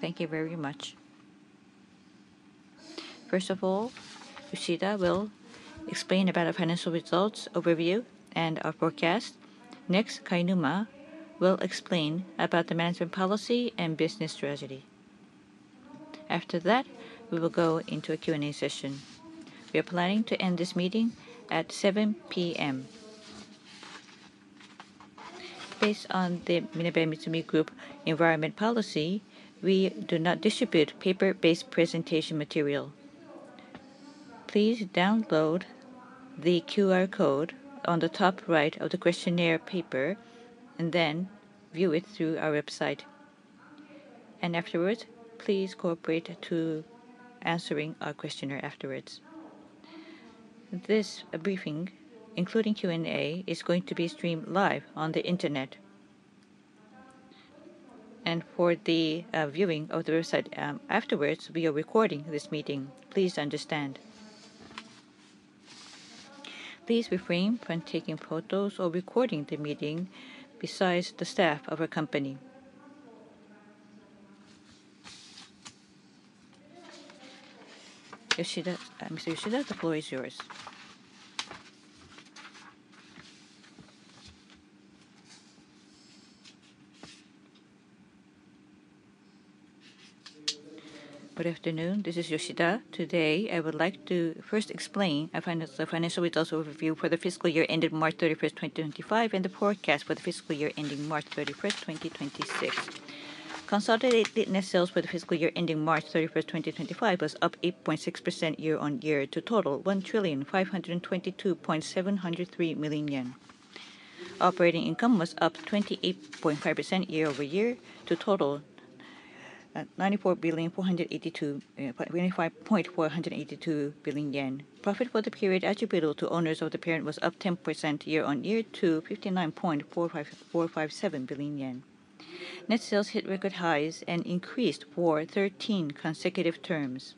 Thank you very much. First of all, Yoshida will explain about our financial results overview and our forecast. Next, Kainuma will explain about the management policy and business strategy. After that, we will go into a Q&A session. We are planning to end this meeting at 7:00 P.M. Based on the MinebeaMitsumi Group environment policy, we do not distribute paper-based presentation material. Please download the QR code on the top right of the questionnaire paper and then view it through our website. Afterwards, please cooperate to answering our questionnaire afterwards. This briefing, including Q&A, is going to be streamed live on the internet. For the viewing of the website afterwards, we are recording this meeting. Please understand. Please refrain from taking photos or recording the meeting besides the staff of our company. Yoshida, Mr. Yoshida, the floor is yours. Good afternoon. This is Yoshida. Today, I would like to first explain our financial results overview for the fiscal year ended March 31, 2025, and the forecast for the fiscal year ending March 31st, 2026. Consolidated net sales for the fiscal year ending March 31st, 2025, was up 8.6% year-on-year to a total of 1,522.703 million yen. Operating income was up 28.5% year-over-year to a total of 94.482 billion yen. Profit for the period attributable to owners of the parent was up 10% year-on-year to 59.457 billion yen. Net sales hit record highs and increased for 13 consecutive terms.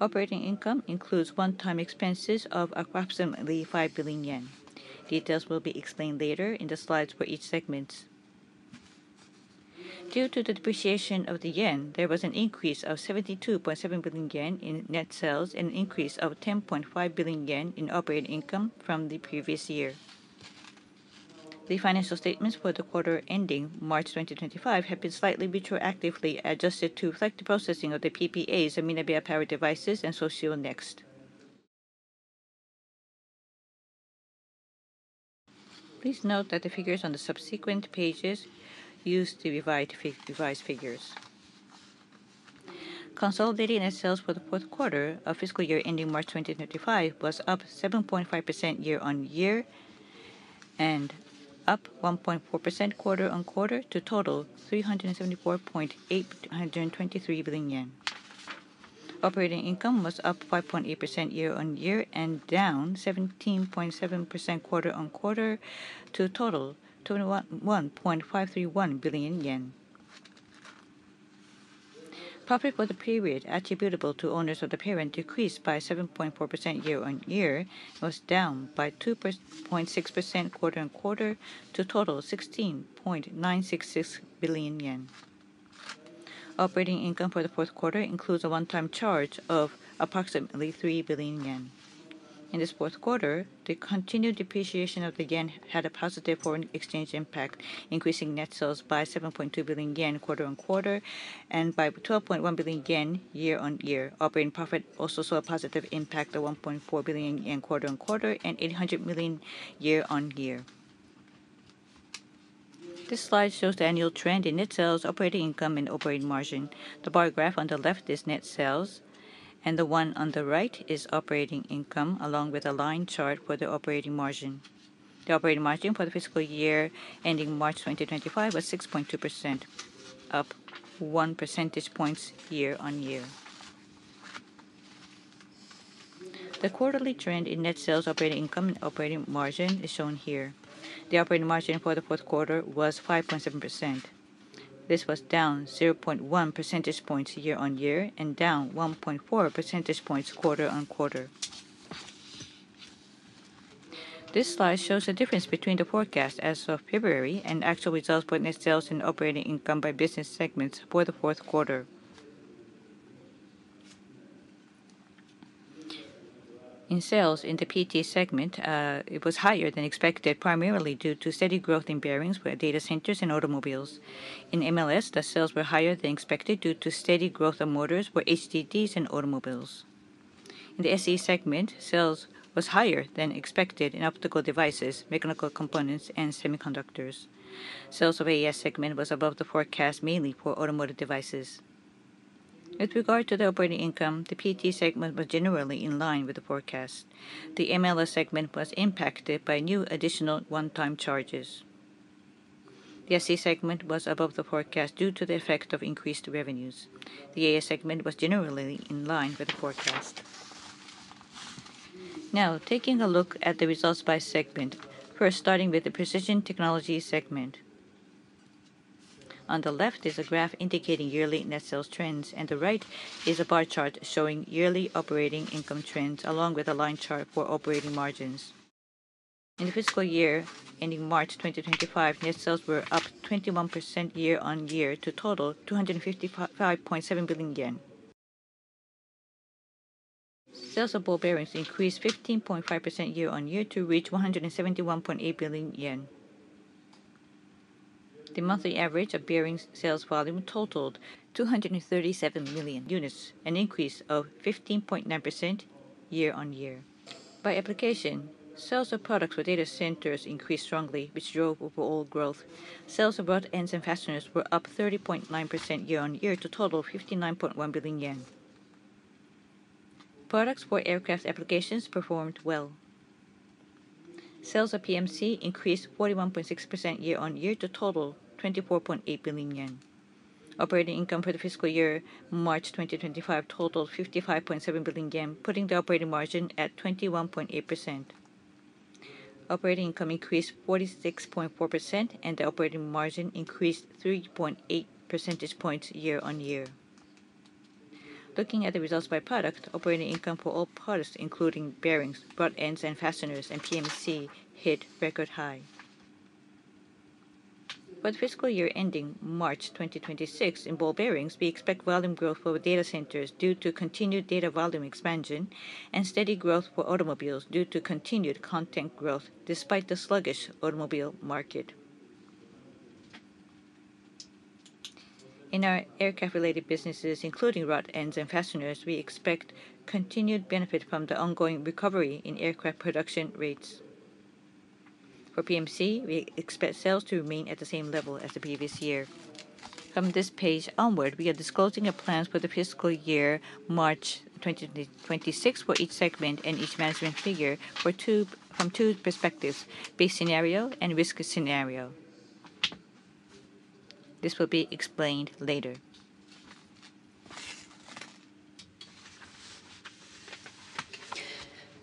Operating income includes one-time expenses of approximately 5 billion yen. Details will be explained later in the slides for each segment. Due to the depreciation of the yen, there was an increase of 72.7 billion yen in net sales and an increase of 10.5 billion yen in operating income from the previous year. The financial statements for the quarter ending March 2025 have been slightly retroactively adjusted to reflect the processing of the PPAs of Minebea Power Devices and SoCo Next. Please note that the figures on the subsequent pages use the revised figures. Consolidated net sales for the fourth quarter of fiscal year ending March 2025 was up 7.5% year-on-year and up 1.4% quarter-on-quarter to a total of 374.823 billion yen. Operating income was up 5.8% year-on-year and down 17.7% quarter-on-quarter to a total of JPY 21.531 billion. Profit for the period attributable to owners of the parent decreased by 7.4% year-on-year and was down by 2.6% quarter-on-quarter to a total of 16.966 billion yen. Operating income for the fourth quarter includes a one-time charge of approximately 3 billion yen. In this fourth quarter, the continued depreciation of the yen had a positive foreign exchange impact, increasing net sales by 7.2 billion yen quarter-on-quarter and by 12.1 billion yen year-on-year. Operating profit also saw a positive impact of 1.4 billion yen quarter-on-quarter and 800 million year-on-year. This slide shows the annual trend in net sales, operating income, and operating margin. The bar graph on the left is net sales, and the one on the right is operating income, along with a line chart for the operating margin. The operating margin for the fiscal year ending March 2025 was 6.2%, up 1 percentage point year-on-year. The quarterly trend in net sales, operating income, and operating margin is shown here. The operating margin for the fourth quarter was 5.7%. This was down 0.1 percentage points year-on-year and down 1.4 percentage points quarter-on-quarter. This slide shows the difference between the forecast as of February and actual results for net sales and operating income by business segments for the fourth quarter. In sales, in the PT segment, it was higher than expected, primarily due to steady growth in bearings for data centers and automobiles. In MLS, the sales were higher than expected due to steady growth of motors for HDDs and automobiles. In the SE segment, sales were higher than expected in optical devices, mechanical components, and semiconductors. Sales of AES segment was above the forecast, mainly for automotive devices. With regard to the operating income, the PT segment was generally in line with the forecast. The MLS segment was impacted by new additional one-time charges. The SE segment was above the forecast due to the effect of increased revenues. The AES segment was generally in line with the forecast. Now, taking a look at the results by segment, first starting with the precision technology segment. On the left is a graph indicating yearly net sales trends, and the right is a bar chart showing yearly operating income trends, along with a line chart for operating margins. In the fiscal year ending March 2025, net sales were up 21% year-on-year to a total of JPY 255.7 billion. Sales of ball bearings increased 15.5% year-on-year to reach 171.8 billion yen. The monthly average of bearings sales volume totaled 237 million units, an increase of 15.9% year-on-year. By application, sales of products for data centers increased strongly, which drove overall growth. Sales of rod ends and fasteners were up 30.9% year-on-year to a total of 59.1 billion yen. Products for aircraft applications performed well. Sales of PMC increased 41.6% year-on-year to a total of 24.8 billion yen. Operating income for the fiscal year March 2025 totaled 55.7 billion yen, putting the operating margin at 21.8%. Operating income increased 46.4%, and the operating margin increased 3.8 percentage points year-on-year. Looking at the results by product, operating income for all products, including bearings, rod-ends and fasteners, and PMC, hit record high. For the fiscal year ending March 2026, in ball bearings, we expect volume growth for data centers due to continued data volume expansion and steady growth for automobiles due to continued content growth despite the sluggish automobile market. In our aircraft-related businesses, including rod-ends and fasteners, we expect continued benefit from the ongoing recovery in aircraft production rates. For PMC, we expect sales to remain at the same level as the previous year. From this page onward, we are disclosing our plans for the fiscal year March 2026 for each segment and each management figure from two perspectives: base scenario and risk scenario. This will be explained later.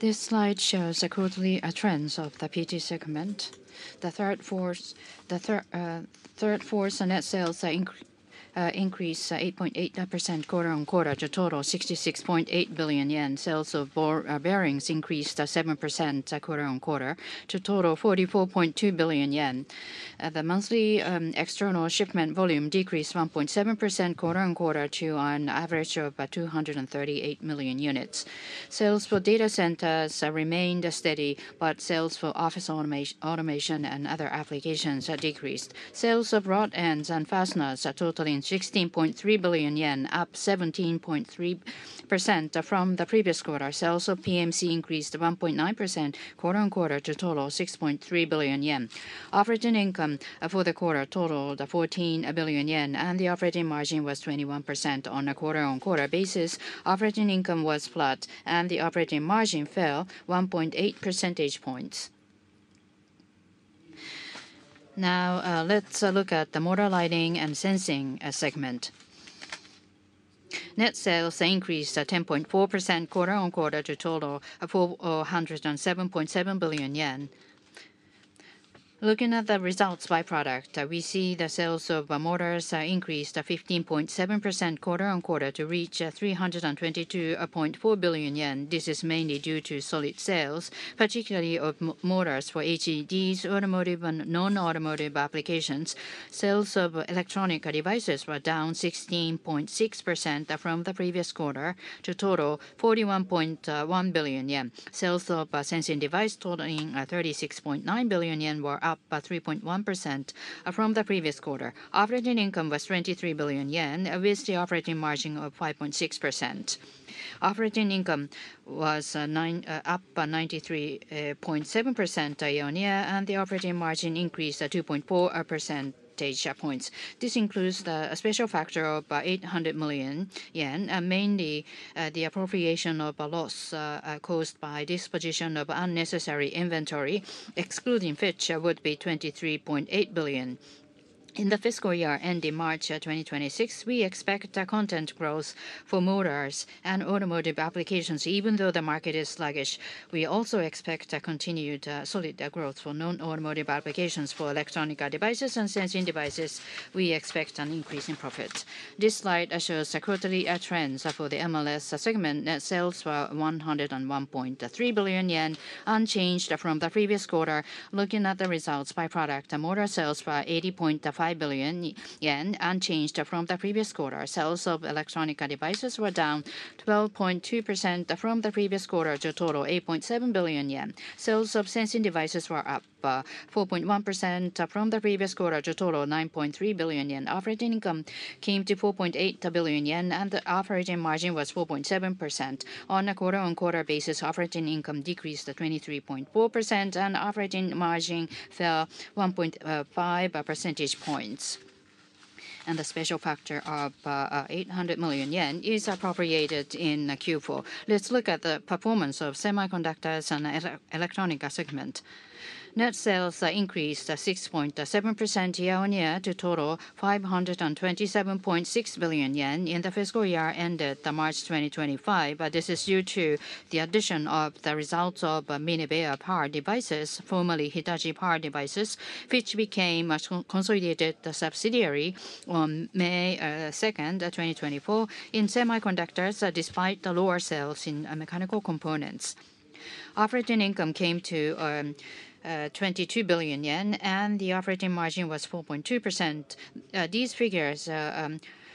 This slide shows the quarterly trends of the PT segment. The third force on net sales increased 8.8% quarter-on-quarter to a total of 66.8 billion yen. Sales of bearings increased 7% quarter-on-quarter to a total of 44.2 billion yen. The monthly external shipment volume decreased 1.7% quarter-on-quarter to an average of 238 million units. Sales for data centers remained steady, but sales for office automation and other applications decreased. Sales of rod ends and fasteners totaling 16.3 billion yen, up 17.3% from the previous quarter. Sales of PMC increased 1.9% quarter-on-quarter to a total of 6.3 billion yen. Operating income for the quarter totaled 14 billion yen, and the operating margin was 21% on a quarter-on-quarter basis. Operating income was flat, and the operating margin fell 1.8 percentage points. Now, let's look at the motor lighting and sensing segment. Net sales increased 10.4% quarter-on-quarter to a total of 407.7 billion yen. Looking at the results by product, we see the sales of motors increased 15.7% quarter-on-quarter to reach 322.4 billion yen. This is mainly due to solid sales, particularly of motors for HDDs, automotive, and non-automotive applications. Sales of electronic devices were down 16.6% from the previous quarter to a total of 41.1 billion yen. Sales of sensing devices totaling 36.9 billion yen were up 3.1% from the previous quarter. Operating income was 23 billion yen, with the operating margin of 5.6%. Operating income was up 93.7% year-on-year, and the operating margin increased 2.4 percentage points. This includes a special factor of 800 million yen, mainly the appropriation of loss caused by disposition of unnecessary inventory, excluding fetch, would be 23.8 billion. In the fiscal year ending March 2026, we expect content growth for motors and automotive applications, even though the market is sluggish. We also expect continued solid growth for non-automotive applications. For electronic devices and sensing devices, we expect an increase in profits. This slide shows the quarterly trends for the MLS segment. Net sales were 101.3 billion yen, unchanged from the previous quarter. Looking at the results by product, motor sales were 80.5 billion yen, unchanged from the previous quarter. Sales of electronic devices were down 12.2% from the previous quarter to a total of 8.7 billion yen. Sales of sensing devices were up 4.1% from the previous quarter to a total of 9.3 billion yen. Operating income came to 4.8 billion yen, and the operating margin was 4.7%. On a quarter-on-quarter basis, operating income decreased 23.4%, and operating margin fell 1.5 percentage points. The special factor of 800 million yen is appropriated in Q4. Let's look at the performance of semiconductors and electronic segment. Net sales increased 6.7% year-on-year to a total of 527.6 billion yen in the fiscal year ended March 2025. This is due to the addition of the results of Minebea Power Devices, formerly Hitachi Power Devices, which became a consolidated subsidiary on May 2, 2024, in semiconductors, despite the lower sales in mechanical components. Operating income came to 22 billion yen, and the operating margin was 4.2%. These figures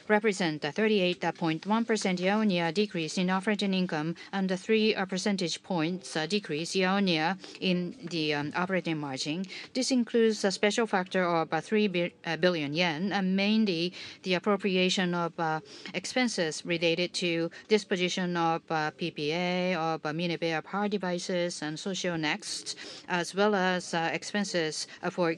represent a 38.1% year-on-year decrease in operating income and a 3 percentage points decrease year-on-year in the operating margin. This includes a special factor of 3 billion yen, mainly the appropriation of expenses related to disposition of PPA of Minebea Power Devices and SoCo Next, as well as expenses for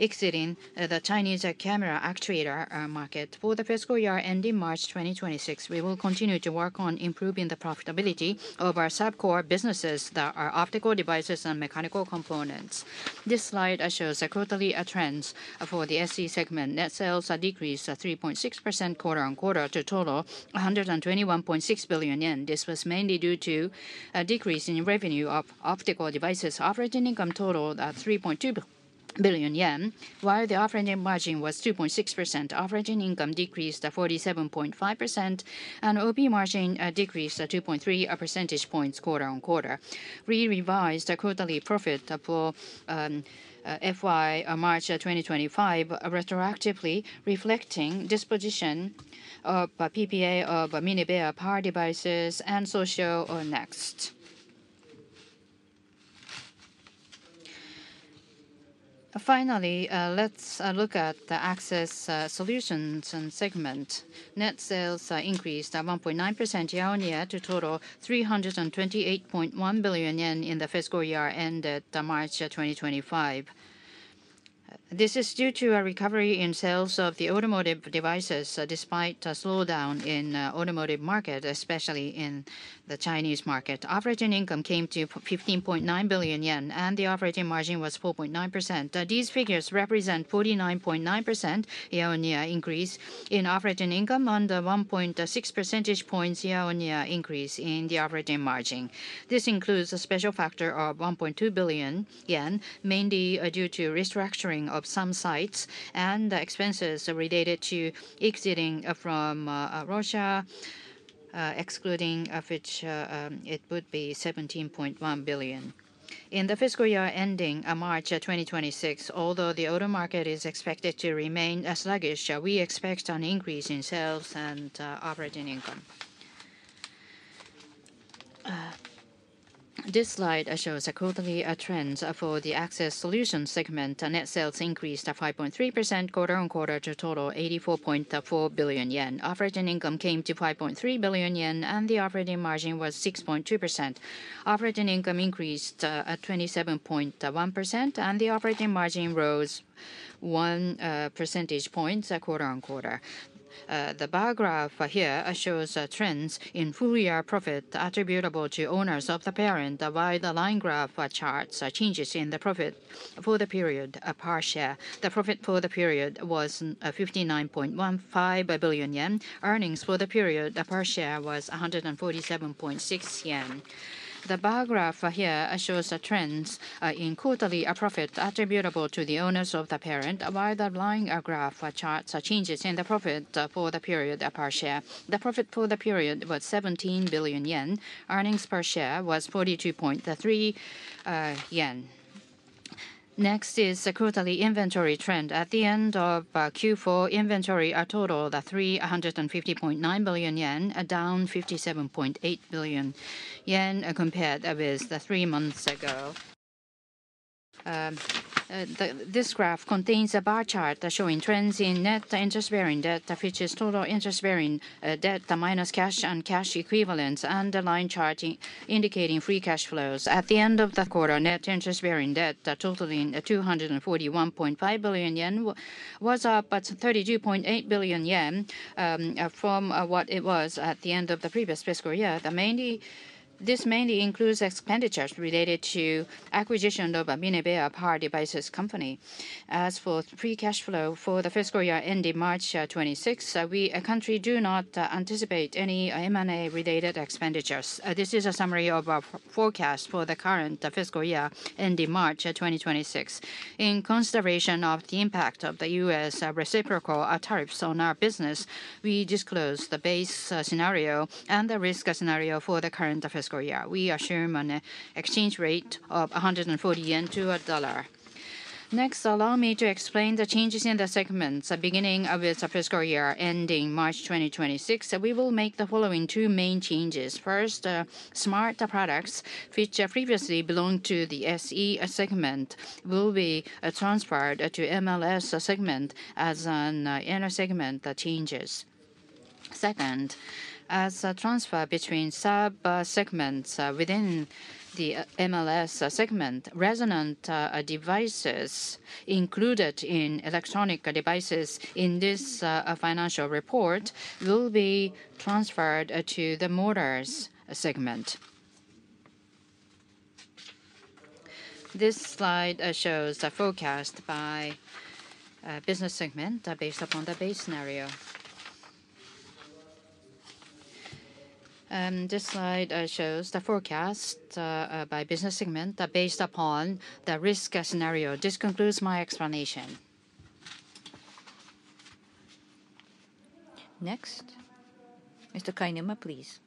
exiting the Chinese camera actuator market. For the fiscal year ending March 2026, we will continue to work on improving the profitability of our sub-core businesses that are optical devices and mechanical components. This slide shows the quarterly trends for the SE segment. Net sales decreased 3.6% quarter-on-quarter to a total of 121.6 billion yen. This was mainly due to a decrease in revenue of optical devices. Operating income totaled 3.2 billion yen, while the operating margin was 2.6%. Operating income decreased 47.5%, and operating margin decreased 2.3 percentage points quarter-on-quarter. We revised the quarterly profit for fiscal year March 2025 retroactively, reflecting disposition of PPA of Minebea Power Devices and SoCo Next. Finally, let's look at the access solutions and segment. Net sales increased 1.9% year-on-year to a total of 328.1 billion yen in the fiscal year ended March 2025. This is due to a recovery in sales of the automotive devices despite a slowdown in the automotive market, especially in the Chinese market. Operating income came to 15.9 billion yen, and the operating margin was 4.9%. These figures represent a 49.9% year-on-year increase in operating income and a 1.6 percentage points year-on-year increase in the operating margin. This includes a special factor of 1.2 billion yen, mainly due to restructuring of some sites and expenses related to exiting from Russia, excluding which it would be 17.1 billion. In the fiscal year ending March 2026, although the auto market is expected to remain sluggish, we expect an increase in sales and operating income. This slide shows the quarterly trends for the access solutions segment. Net sales increased 5.3% quarter-on-quarter to a total of 84.4 billion yen. Operating income came to 5.3 billion yen, and the operating margin was 6.2%. Operating income increased 27.1%, and the operating margin rose 1 percentage points quarter-on-quarter. The bar graph here shows trends in full-year profit attributable to owners of the parent, while the line graph charts changes in the profit for the period per share. The profit for the period was 59.15 billion yen. Earnings for the period per share was 147.6 yen. The bar graph here shows trends in quarterly profit attributable to the owners of the parent, while the line graph charts changes in the profit for the period per share. The profit for the period was 17 billion yen. Earnings per share was 42.3 yen. Next is the quarterly inventory trend. At the end of Q4, inventory totaled 350.9 billion yen, down 57.8 billion yen compared with three months ago. This graph contains a bar chart showing trends in net interest-bearing debt, which is total interest-bearing debt minus cash and cash equivalents, and the line chart indicating free cash flows. At the end of the quarter, net interest-bearing debt totaling 241.5 billion yen was up 32.8 billion yen from what it was at the end of the previous fiscal year. This mainly includes expenditures related to acquisition of Minebea Power Devices. As for free cash flow for the fiscal year ending March 2026, we at MinebeaMitsumi do not anticipate any M&A-related expenditures. This is a summary of our forecast for the current fiscal year ending March 2026. In consideration of the impact of the U.S. Reciprocal tariffs on our business, we disclose the base scenario and the risk scenario for the current fiscal year. We assume an exchange rate of 140 yen to a dollar. Next, allow me to explain the changes in the segments. Beginning with the fiscal year ending March 2026, we will make the following two main changes. First, smart products, which previously belonged to the SE segment, will be transferred to the MLS segment as an inner segment change. Second, as a transfer between sub-segments within the MLS segment, resonant devices included in electronic devices in this financial report will be transferred to the motors segment. This slide shows the forecast by business segment based upon the base scenario. This slide shows the forecast by business segment based upon the risk scenario. This concludes my explanation. Next, Mr. Kainuma, please.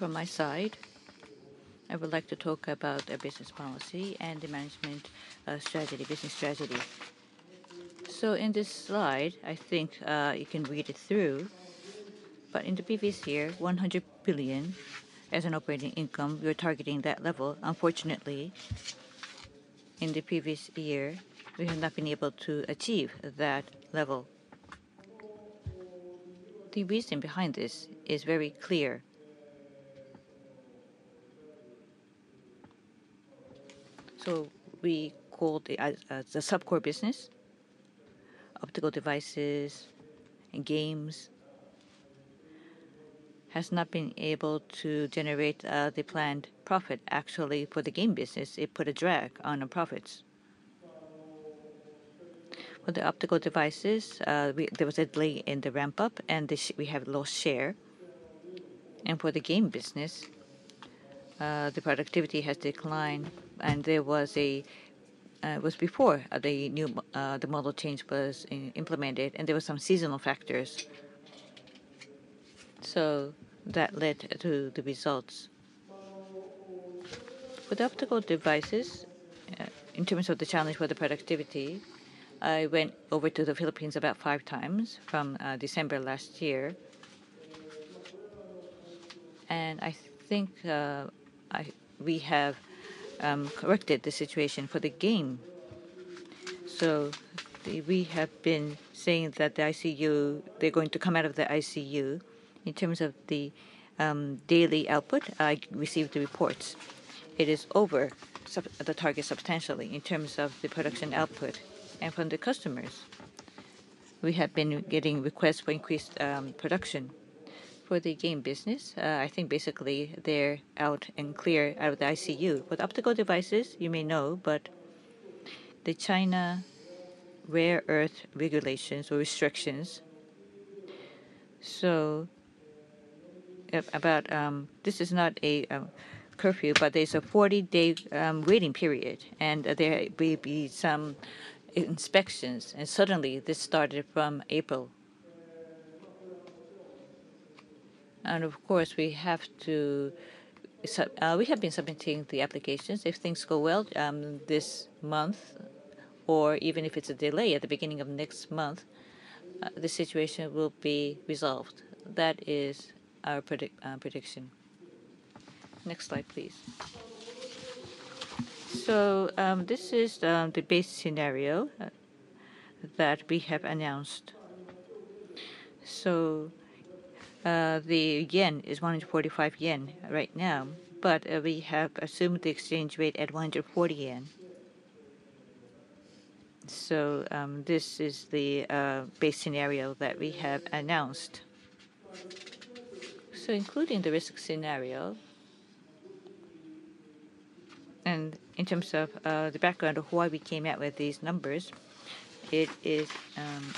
From my side, I would like to talk about business policy and the management strategy, business strategy. In this slide, I think you can read it through, but in the previous year, $100 billion as an operating income, we were targeting that level. Unfortunately, in the previous year, we have not been able to achieve that level. The reason behind this is very clear. We called the sub-core business, optical devices and games, has not been able to generate the planned profit, actually, for the game business. It put a drag on profits. For the optical devices, there was a delay in the ramp-up, and we have lost share. For the game business, the productivity has declined, and it was before the model change was implemented, and there were some seasonal factors. That led to the results. For the optical devices, in terms of the challenge for the productivity, I went over to the Philippines about five times from December last year, and I think we have corrected the situation for the game. We have been saying that the ICU, they're going to come out of the ICU. In terms of the daily output, I received the reports. It is over the target substantially in terms of the production output. From the customers, we have been getting requests for increased production. For the game business, I think basically they're out and clear out of the ICU. For the optical devices, you may know, but the China Rare Earth regulations or restrictions. About this, it is not a curfew, but there's a 40-day waiting period, and there will be some inspections. Suddenly, this started from April. Of course, we have to—we have been submitting the applications. If things go well this month, or even if it is a delay at the beginning of next month, the situation will be resolved. That is our prediction. Next slide, please. This is the base scenario that we have announced. The yen is 145 yen right now, but we have assumed the exchange rate at 140 yen. This is the base scenario that we have announced. Including the risk scenario, and in terms of the background of why we came out with these numbers, I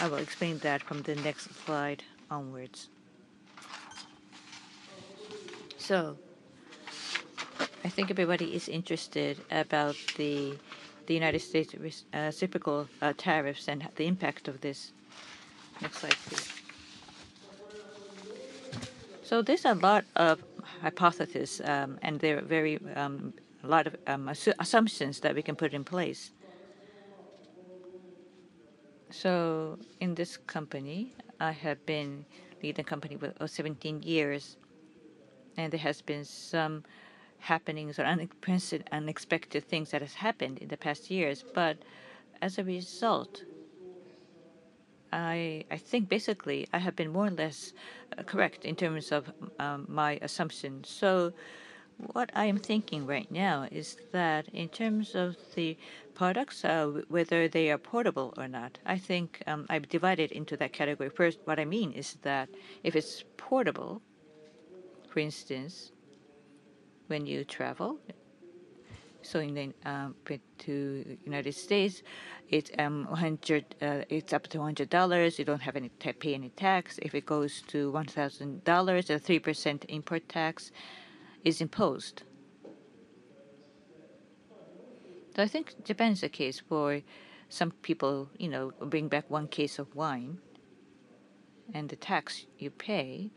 will explain that from the next slide onwards. I think everybody is interested about the U.S. reciprocal tariffs and the impact of this. Next slide, please. There is a lot of hypotheses, and there are very—a lot of assumptions that we can put in place. In this company, I have been leading the company for 17 years, and there have been some happenings or unexpected things that have happened in the past years. As a result, I think basically I have been more or less correct in terms of my assumptions. What I am thinking right now is that in terms of the products, whether they are portable or not, I think I've divided into that category. First, what I mean is that if it's portable, for instance, when you travel, you need to go to the United States, it's up to $100. You don't have to pay any tax. If it goes to $1,000, a 3% import tax is imposed. I think it depends on the case for some people, you know, bring back one case of wine, and the tax you pay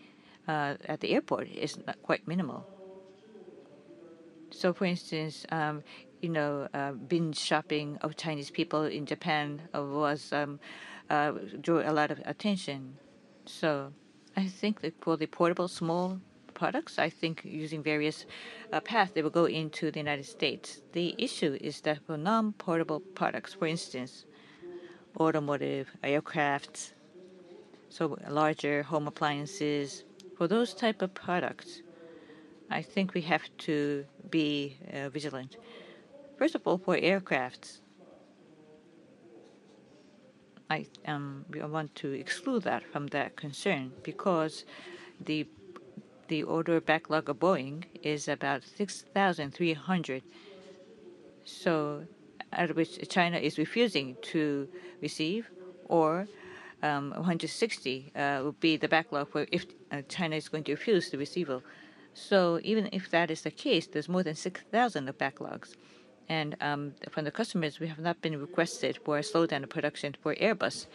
at the airport is quite minimal. For instance, you know, binge shopping of Chinese people in Japan drew a lot of attention. I think for the portable, small products, using various paths, they will go into the United States. The issue is that for non-portable products, for instance, automotive, aircraft, larger home appliances, for those types of products, I think we have to be vigilant. First of all, for aircraft, we want to exclude that from that concern because the order backlog of Boeing is about 6,300, which China is refusing to receive, or 160 would be the backlog if China is going to refuse the receival. Even if that is the case, there is more than 6,000 of backlogs. From the customers, we have not been requested for a slowdown of production for Airbus.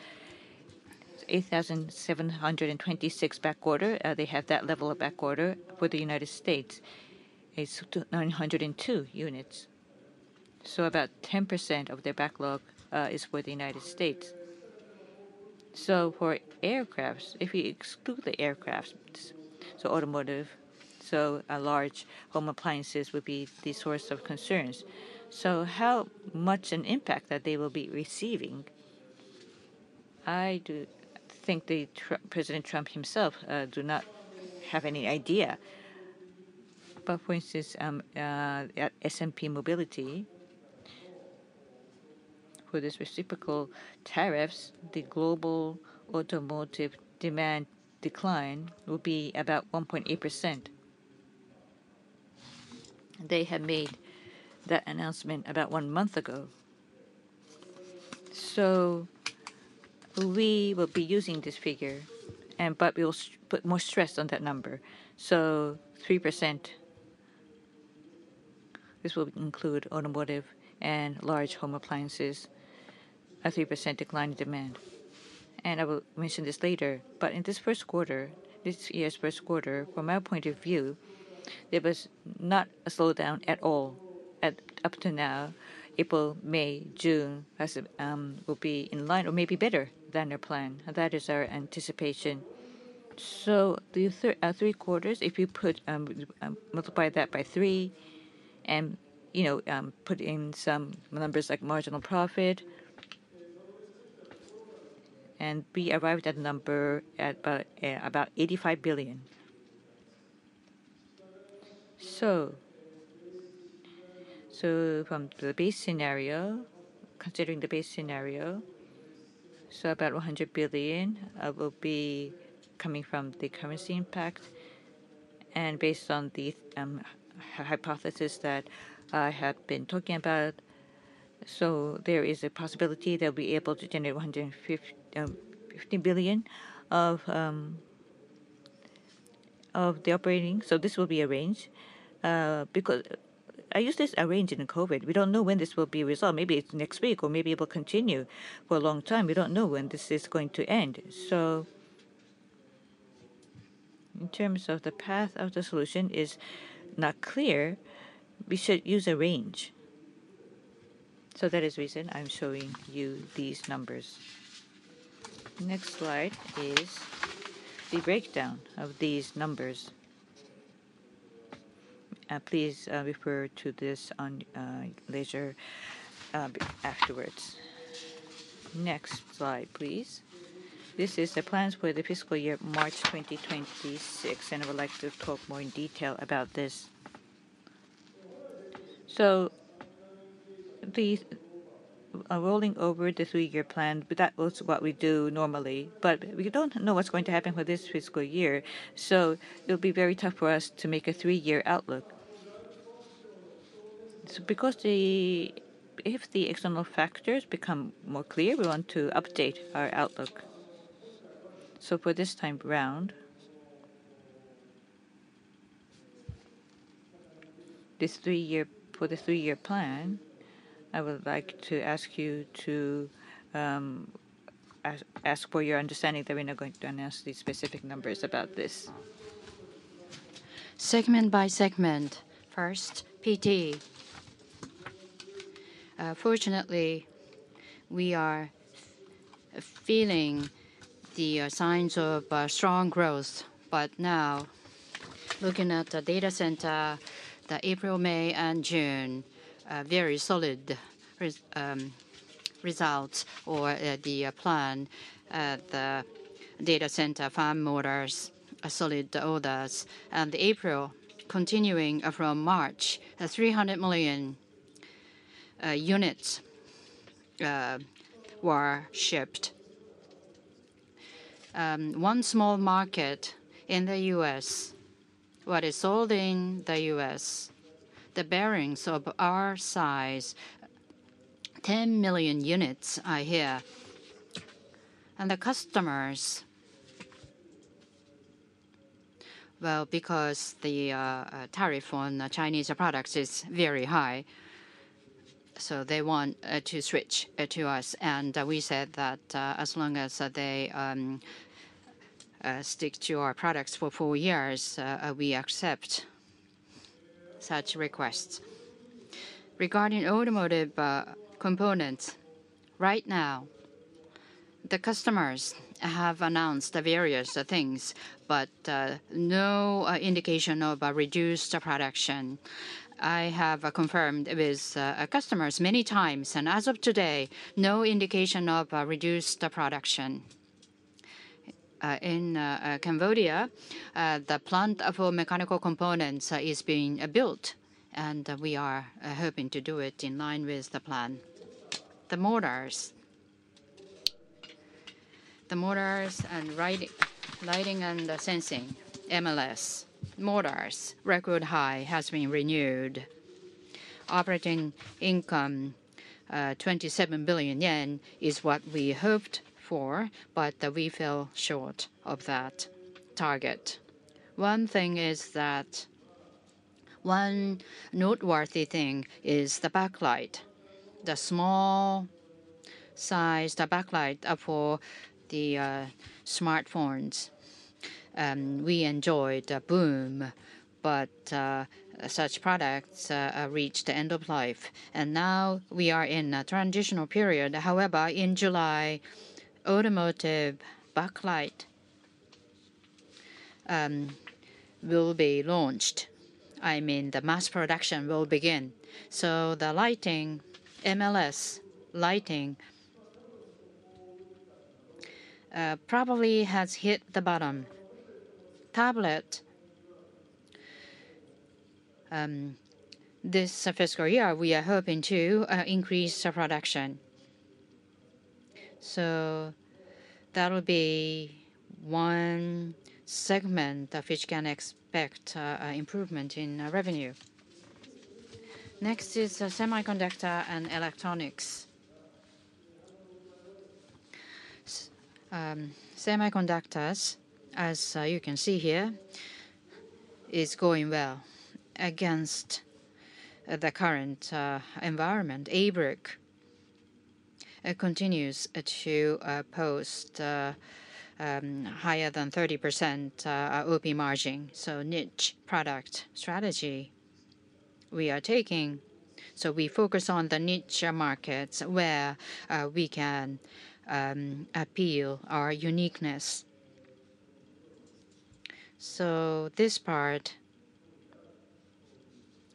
It is 8,726 backorder. They have that level of backorder for the United States. It's 902 units. So, about 10% of their backlog is for the United States. For aircraft, if we exclude the aircraft, automotive and large home appliances would be the source of concerns. How much of an impact that they will be receiving, I do think President Trump himself does not have any idea. For instance, at S&P Mobility, for these reciprocal tariffs, the global automotive demand decline will be about 1.8%. They have made that announcement about one month ago. We will be using this figure, but we will put more stress on that number. 3%, this will include automotive and large home appliances, a 3% decline in demand. I will mention this later. In this first quarter, this year's first quarter, from my point of view, there was not a slowdown at all. Up to now, April, May, June will be in line or maybe better than their plan. That is our anticipation. The three quarters, if you multiply that by three and, you know, put in some numbers like marginal profit, and we arrived at a number at about ¥85 billion. From the base scenario, considering the base scenario, about ¥100 billion will be coming from the currency impact. Based on the hypothesis that I have been talking about, there is a possibility that we'll be able to generate ¥150 billion of the operating. This will be a range. I used this range in COVID. We do not know when this will be resolved. Maybe it is next week, or maybe it will continue for a long time. We do not know when this is going to end. In terms of the path of the solution, it is not clear. We should use a range. That is the reason I'm showing you these numbers. Next slide is the breakdown of these numbers. Please refer to this later afterwards. Next slide, please. This is the plans for the fiscal year of March 2026, and I would like to talk more in detail about this. Rolling over the three-year plan, that was what we do normally, but we do not know what's going to happen for this fiscal year. It will be very tough for us to make a three-year outlook. Because if the external factors become more clear, we want to update our outlook. For this time around, this three-year plan, I would like to ask for your understanding that we're not going to announce these specific numbers about this. Segment by segment. First, PT. Fortunately, we are feeling the signs of strong growth, but now looking at the data center, the April, May, and June, very solid results for the plan. The data center, fan motors, solid orders. The April, continuing from March, 300 million units were shipped. One small market in the U.S., what is sold in the U.S., the bearings of our size, 10 million units here. The customers, because the tariff on Chinese products is very high, want to switch to us. We said that as long as they stick to our products for four years, we accept such requests. Regarding automotive components, right now, the customers have announced various things, but no indication of reduced production. I have confirmed with customers many times, and as of today, no indication of reduced production. In Cambodia, the plant for mechanical components is being built, and we are hoping to do it in line with the plan. The motors. The motors and lighting and sensing, MLS. Motors. Record high has been renewed. Operating income, 27 billion yen, is what we hoped for, but we fell short of that target. One thing is that one noteworthy thing is the backlight. The small-sized backlight for the smartphones. We enjoyed a boom, but such products reached the end of life. I mean, we are in a transitional period. However, in July, automotive backlight will be launched. I mean, the mass production will begin. The lighting, MLS lighting, probably has hit the bottom. Tablet. This fiscal year, we are hoping to increase production. That will be one segment of which can expect improvement in revenue. Next is semiconductor and electronics. Semiconductors, as you can see here, is going well against the current environment. ABRIC continues to post higher than 30% OP margin. Niche product strategy we are taking. We focus on the niche markets where we can appeal our uniqueness. This part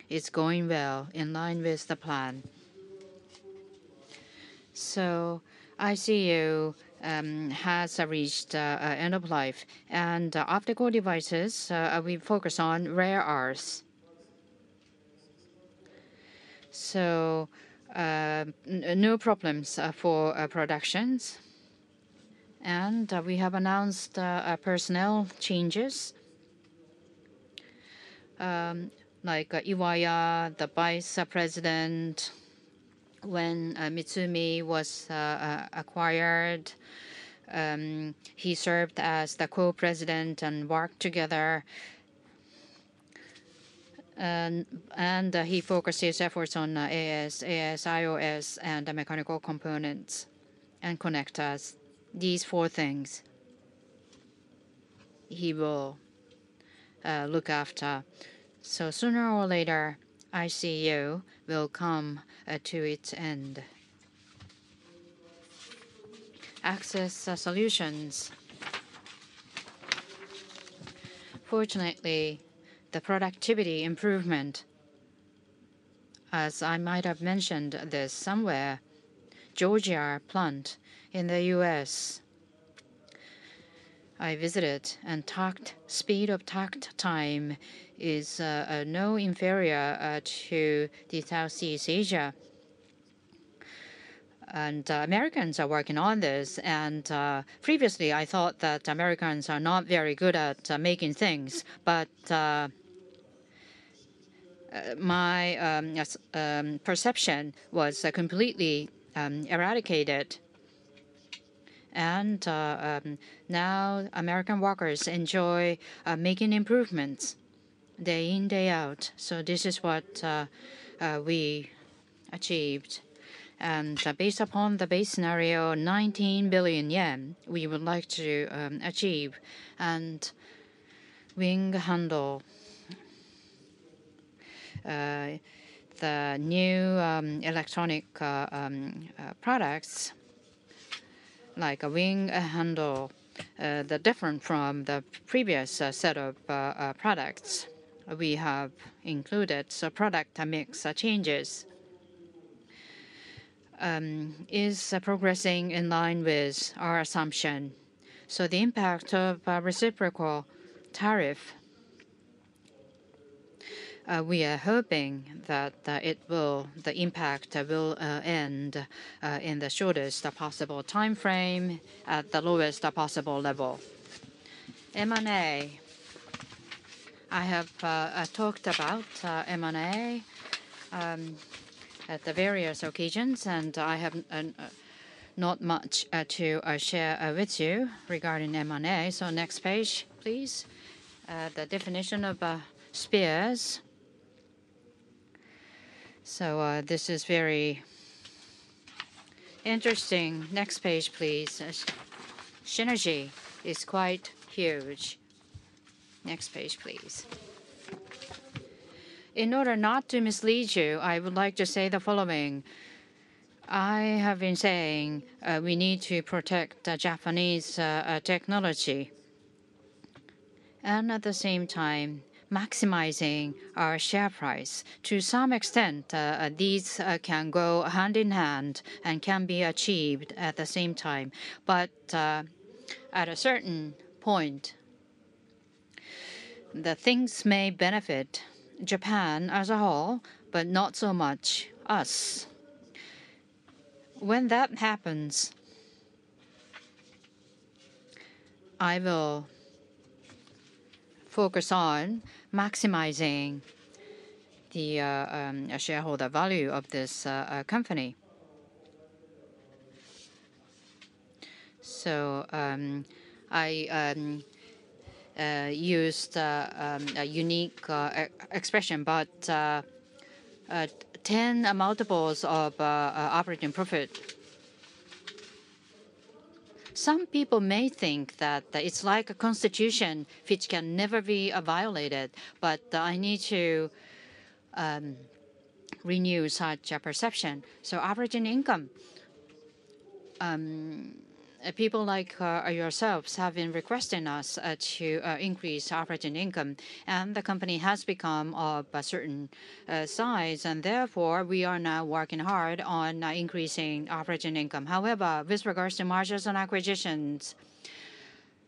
is going well in line with the plan. ICU has reached the end of life. Optical devices, we focus on rare earths. No problems for productions. We have announced personnel changes, like Iwaya, the Vice President. When Mitsumi was acquired, he served as the Co-President and worked together. He focuses efforts on AS, ASIOS, mechanical components, and connectors. These four things he will look after. Sooner or later, ICU will come to its end. Access solutions. Fortunately, the productivity improvement, as I might have mentioned this somewhere, Georgia plant in the U.S. I visited and talked. Speed of talk time is no inferior to Southeast Asia. Americans are working on this. Previously, I thought that Americans are not very good at making things, but my perception was completely eradicated. Now American workers enjoy making improvements day in, day out. This is what we achieved. Based upon the base scenario, 19 billion yen we would like to achieve. Wing handle. The new electronic products, like a wing handle, are different from the previous set of products we have included. Product mix changes are progressing in line with our assumption. The impact of reciprocal tariff, we are hoping that the impact will end in the shortest possible timeframe, at the lowest possible level. M&A. I have talked about M&A at various occasions, and I have not much to share with you regarding M&A. Next page, please. The definition of spheres. This is very interesting. Next page, please. Synergy is quite huge. Next page, please. In order not to mislead you, I would like to say the following. I have been saying we need to protect Japanese technology and at the same time maximizing our share price. To some extent, these can go hand in hand and can be achieved at the same time. At a certain point, the things may benefit Japan as a whole, but not so much us. When that happens, I will focus on maximizing the shareholder value of this company. I used a unique expression, but 10 multiples of operating profit. Some people may think that it's like a constitution which can never be violated, but I need to renew such a perception. Operating income. People like yourselves have been requesting us to increase operating income, and the company has become of a certain size, and therefore we are now working hard on increasing operating income. However, with regards to margins on acquisitions,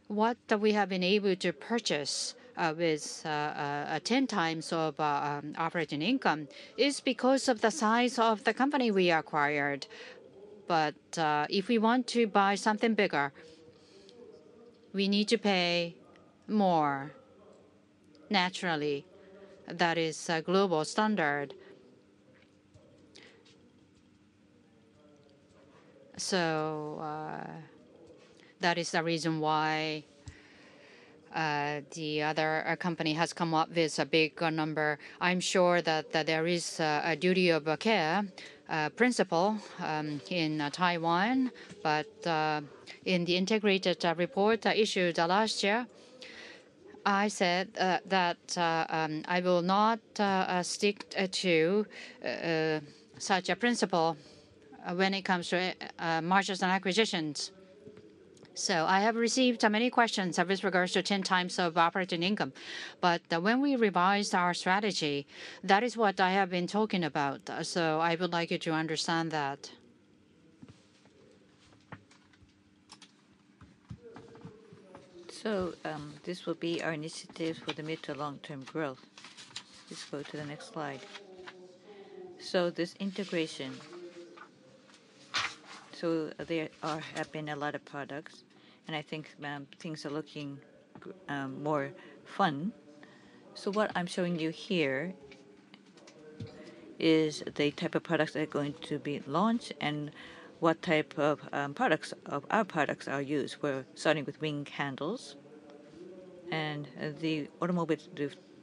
what we have been able to purchase with 10 times operating income is because of the size of the company we acquired. If we want to buy something bigger, we need to pay more naturally. That is a global standard. That is the reason why the other company has come up with a big number. I'm sure that there is a duty of care principle in Taiwan, but in the integrated report issued last year, I said that I will not stick to such a principle when it comes to margins on acquisitions. I have received many questions with regards to 10 times of operating income, but when we revised our strategy, that is what I have been talking about. I would like you to understand that. This will be our initiative for the mid to long-term growth. Let's go to the next slide. This integration, there have been a lot of products, and I think things are looking more fun. What I'm showing you here is the type of products that are going to be launched and what type of products of our products are used. We're starting with wing handles and the automotive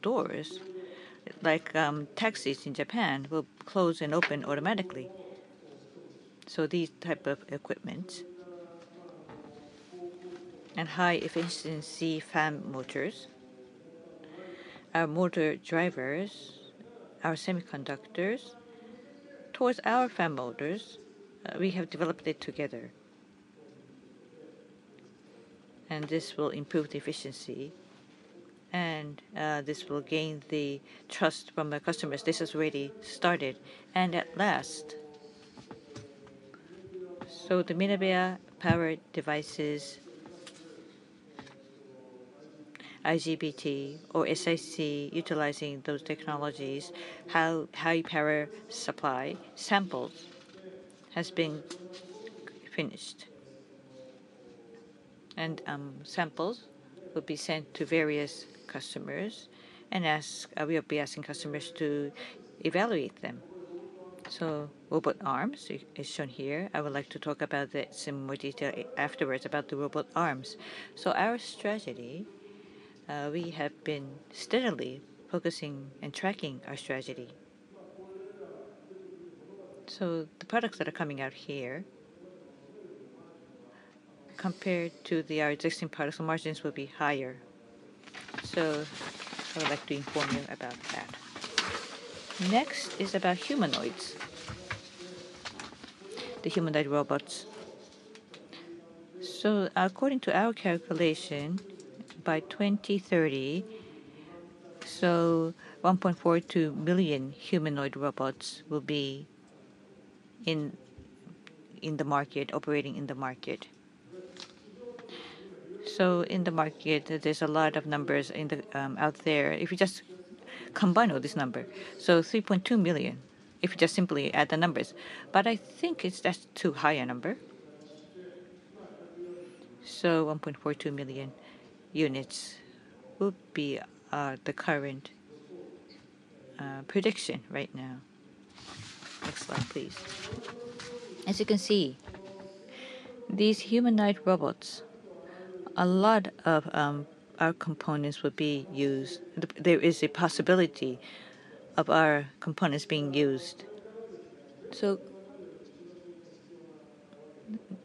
doors, like taxis in Japan, will close and open automatically. These types of equipment and high-efficiency fan motors, our motor drivers, our semiconductors, towards our fan motors, we have developed it together. This will improve the efficiency, and this will gain the trust from our customers. This has already started. At last, the Minebea Power Devices, IGBT, or SiC, utilizing those technologies, high power supply samples have been finished. Samples will be sent to various customers, and we'll be asking customers to evaluate them. Robot arms are shown here. I would like to talk about this in more detail afterwards about the robot arms. Our strategy, we have been steadily focusing and tracking our strategy. The products that are coming out here compared to our existing products and margins will be higher. I would like to inform you about that. Next is about humanoids, the humanoid robots. According to our calculation, by 2030, 1.42 million humanoid robots will be in the market, operating in the market. In the market, there's a lot of numbers out there. If you just combine all these numbers, 3.2 million, if you just simply add the numbers. I think it's just too high a number. 1.42 million units will be the current prediction right now. Next slide, please. As you can see, these humanoid robots, a lot of our components will be used. There is a possibility of our components being used.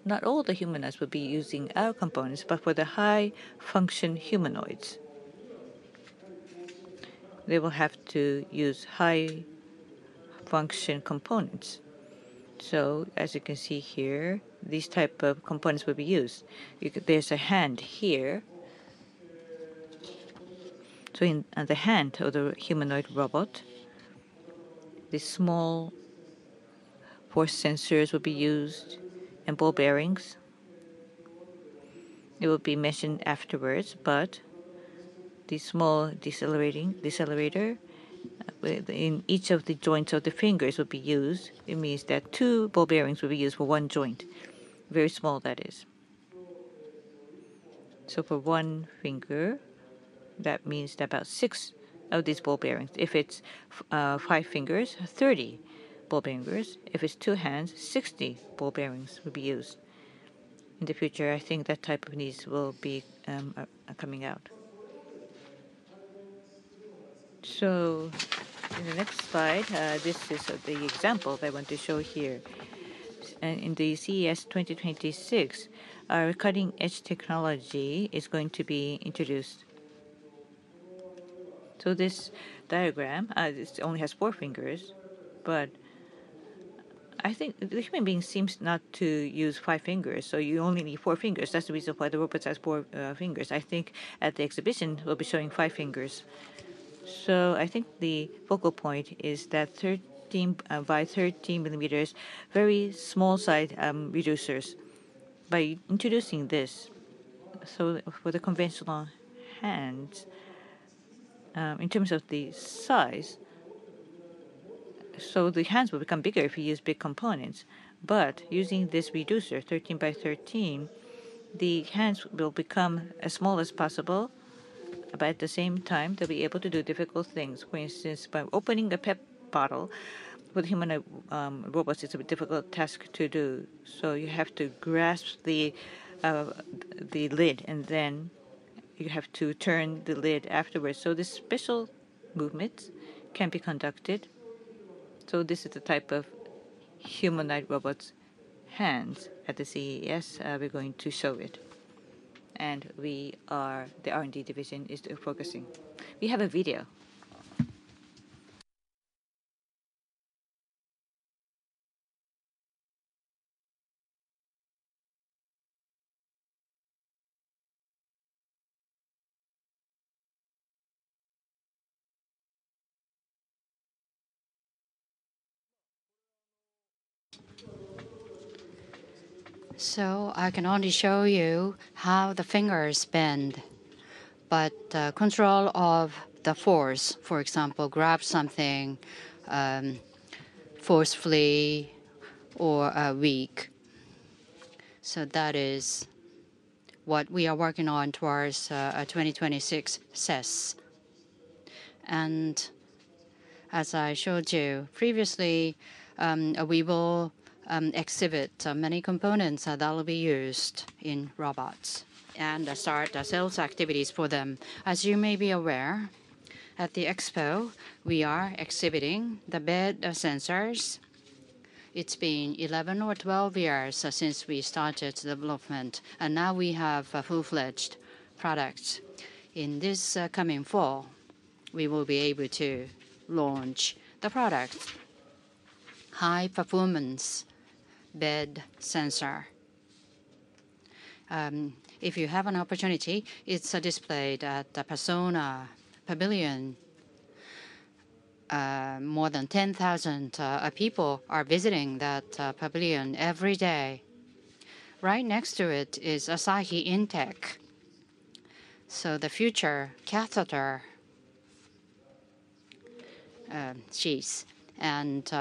Not all the humanoids will be using our components, but for the high-function humanoids, they will have to use high-function components. As you can see here, these types of components will be used. There's a hand here. In the hand of the humanoid robot, the small force sensors will be used and ball bearings. It will be mentioned afterwards, but the small decelerator in each of the joints of the fingers will be used. It means that two ball bearings will be used for one joint. Very small, that is. For one finger, that means about six of these ball bearings. If it's five fingers, 30 ball bearings. If it's two hands, 60 ball bearings will be used. In the future, I think that type of needs will be coming out. In the next slide, this is the example that I want to show here. In the CES 2026, our cutting-edge technology is going to be introduced. This diagram, it only has four fingers, but I think the human being seems not to use five fingers. You only need four fingers. That's the reason why the robot has four fingers. I think at the exhibition, we'll be showing five fingers. I think the focal point is that 13 by 13 millimeters, very small-sized reducers. By introducing this, for the conventional hands, in terms of the size, the hands will become bigger if you use big components. Using this reducer, 13 by 13, the hands will become as small as possible. At the same time, they'll be able to do difficult things. For instance, by opening a PEP bottle, for the humanoid robots, it's a difficult task to do. You have to grasp the lid, and then you have to turn the lid afterwards. This special movement can be conducted. This is the type of humanoid robot's hands at the CES we're going to show it. The R&D division is focusing. We have a video. I can only show you how the fingers bend, but control of the force, for example, grab something forcefully or weak. That is what we are working on towards a 2026 CES. As I showed you previously, we will exhibit many components that will be used in robots and start sales activities for them. As you may be aware, at the expo, we are exhibiting the bed sensors. It has been 11 or 12 years since we started development, and now we have full-fledged products. In this coming fall, we will be able to launch the product, high-performance bed sensor. If you have an opportunity, it is displayed at the Persona Pavilion. More than 10,000 people are visiting that pavilion every day. Right next to it is Asahi Intech. The future catheter sheets and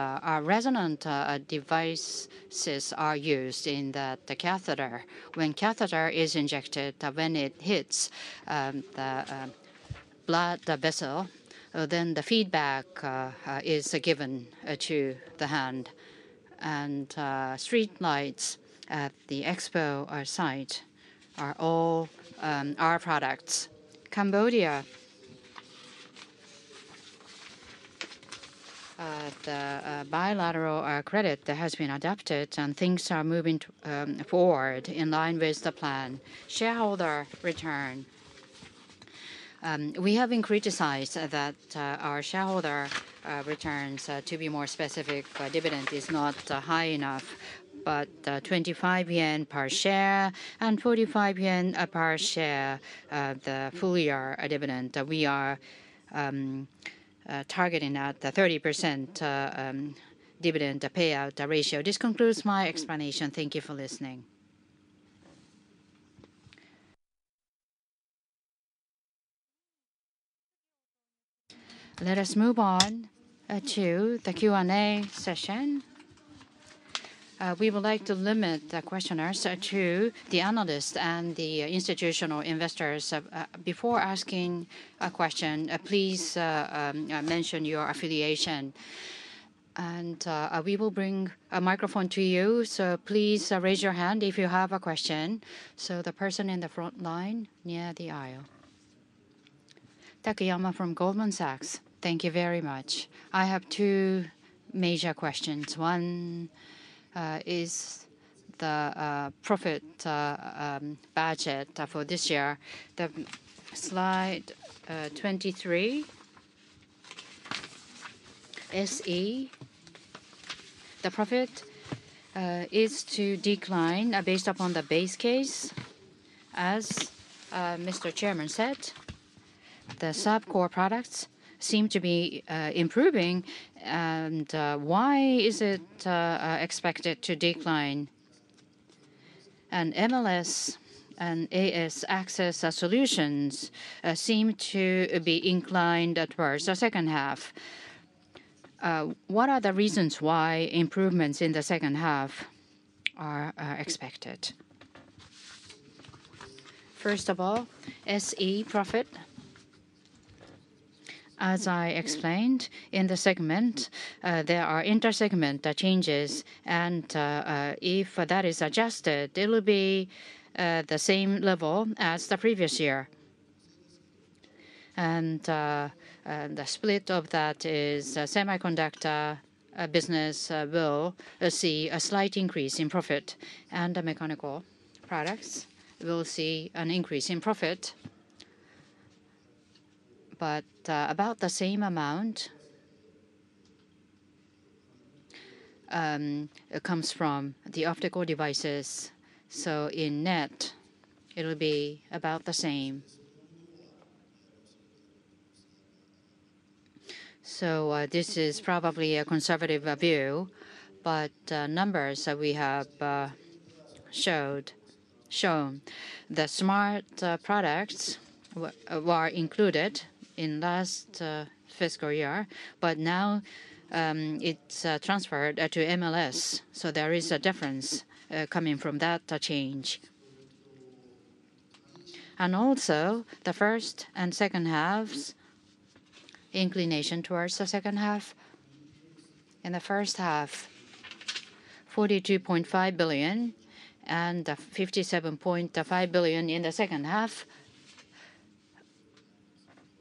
resonant devices are used in the catheter. When the catheter is injected, when it hits the blood vessel, then the feedback is given to the hand. Streetlights at the expo site are all our products. Cambodia. The bilateral credit has been adopted, and things are moving forward in line with the plan. Shareholder return. We have been criticized that our shareholder returns, to be more specific, dividend is not high enough, but 25 yen per share and 45 yen per share of the full year dividend. We are targeting at the 30% dividend payout ratio. This concludes my explanation. Thank you for listening. Let us move on to the Q&A session. We would like to limit the questioners to the analysts and the institutional investors. Before asking a question, please mention your affiliation. We will bring a microphone to you, so please raise your hand if you have a question. The person in the front line near the aisle. Takayama from Goldman Sachs. Thank you very much. I have two major questions. One is the profit budget for this year. The slide 23. SE. The profit is to decline based upon the base case. As Mr. Chairman said, the subcore products seem to be improving. Why is it expected to decline? MLS and AS access solutions seem to be inclined towards the second half. What are the reasons why improvements in the second half are expected? First of all, SE profit. As I explained, in the segment, there are inter-segment changes, and if that is adjusted, it will be the same level as the previous year. The split of that is semiconductor business will see a slight increase in profit, and the mechanical products will see an increase in profit. About the same amount comes from the optical devices. In net, it will be about the same. This is probably a conservative view, but the numbers that we have shown, the smart products were included in last fiscal year, but now it is transferred to MLS. There is a difference coming from that change. Also, the first and second halves, inclination towards the second half. In the first half, ¥42.5 billion and ¥57.5 billion in the second half.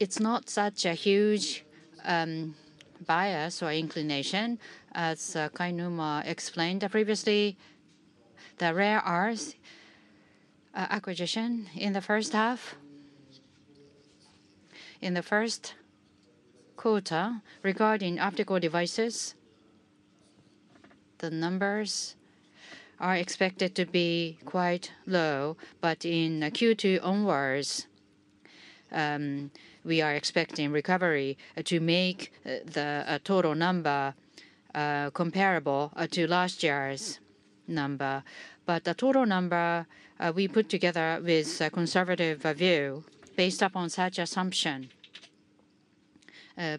It is not such a huge bias or inclination, as Kainuma explained previously. The rare earth acquisition in the first half. In the first quarter, regarding optical devices, the numbers are expected to be quite low, but in Q2 onwards, we are expecting recovery to make the total number comparable to last year's number. The total number we put together with a conservative view based upon such assumption.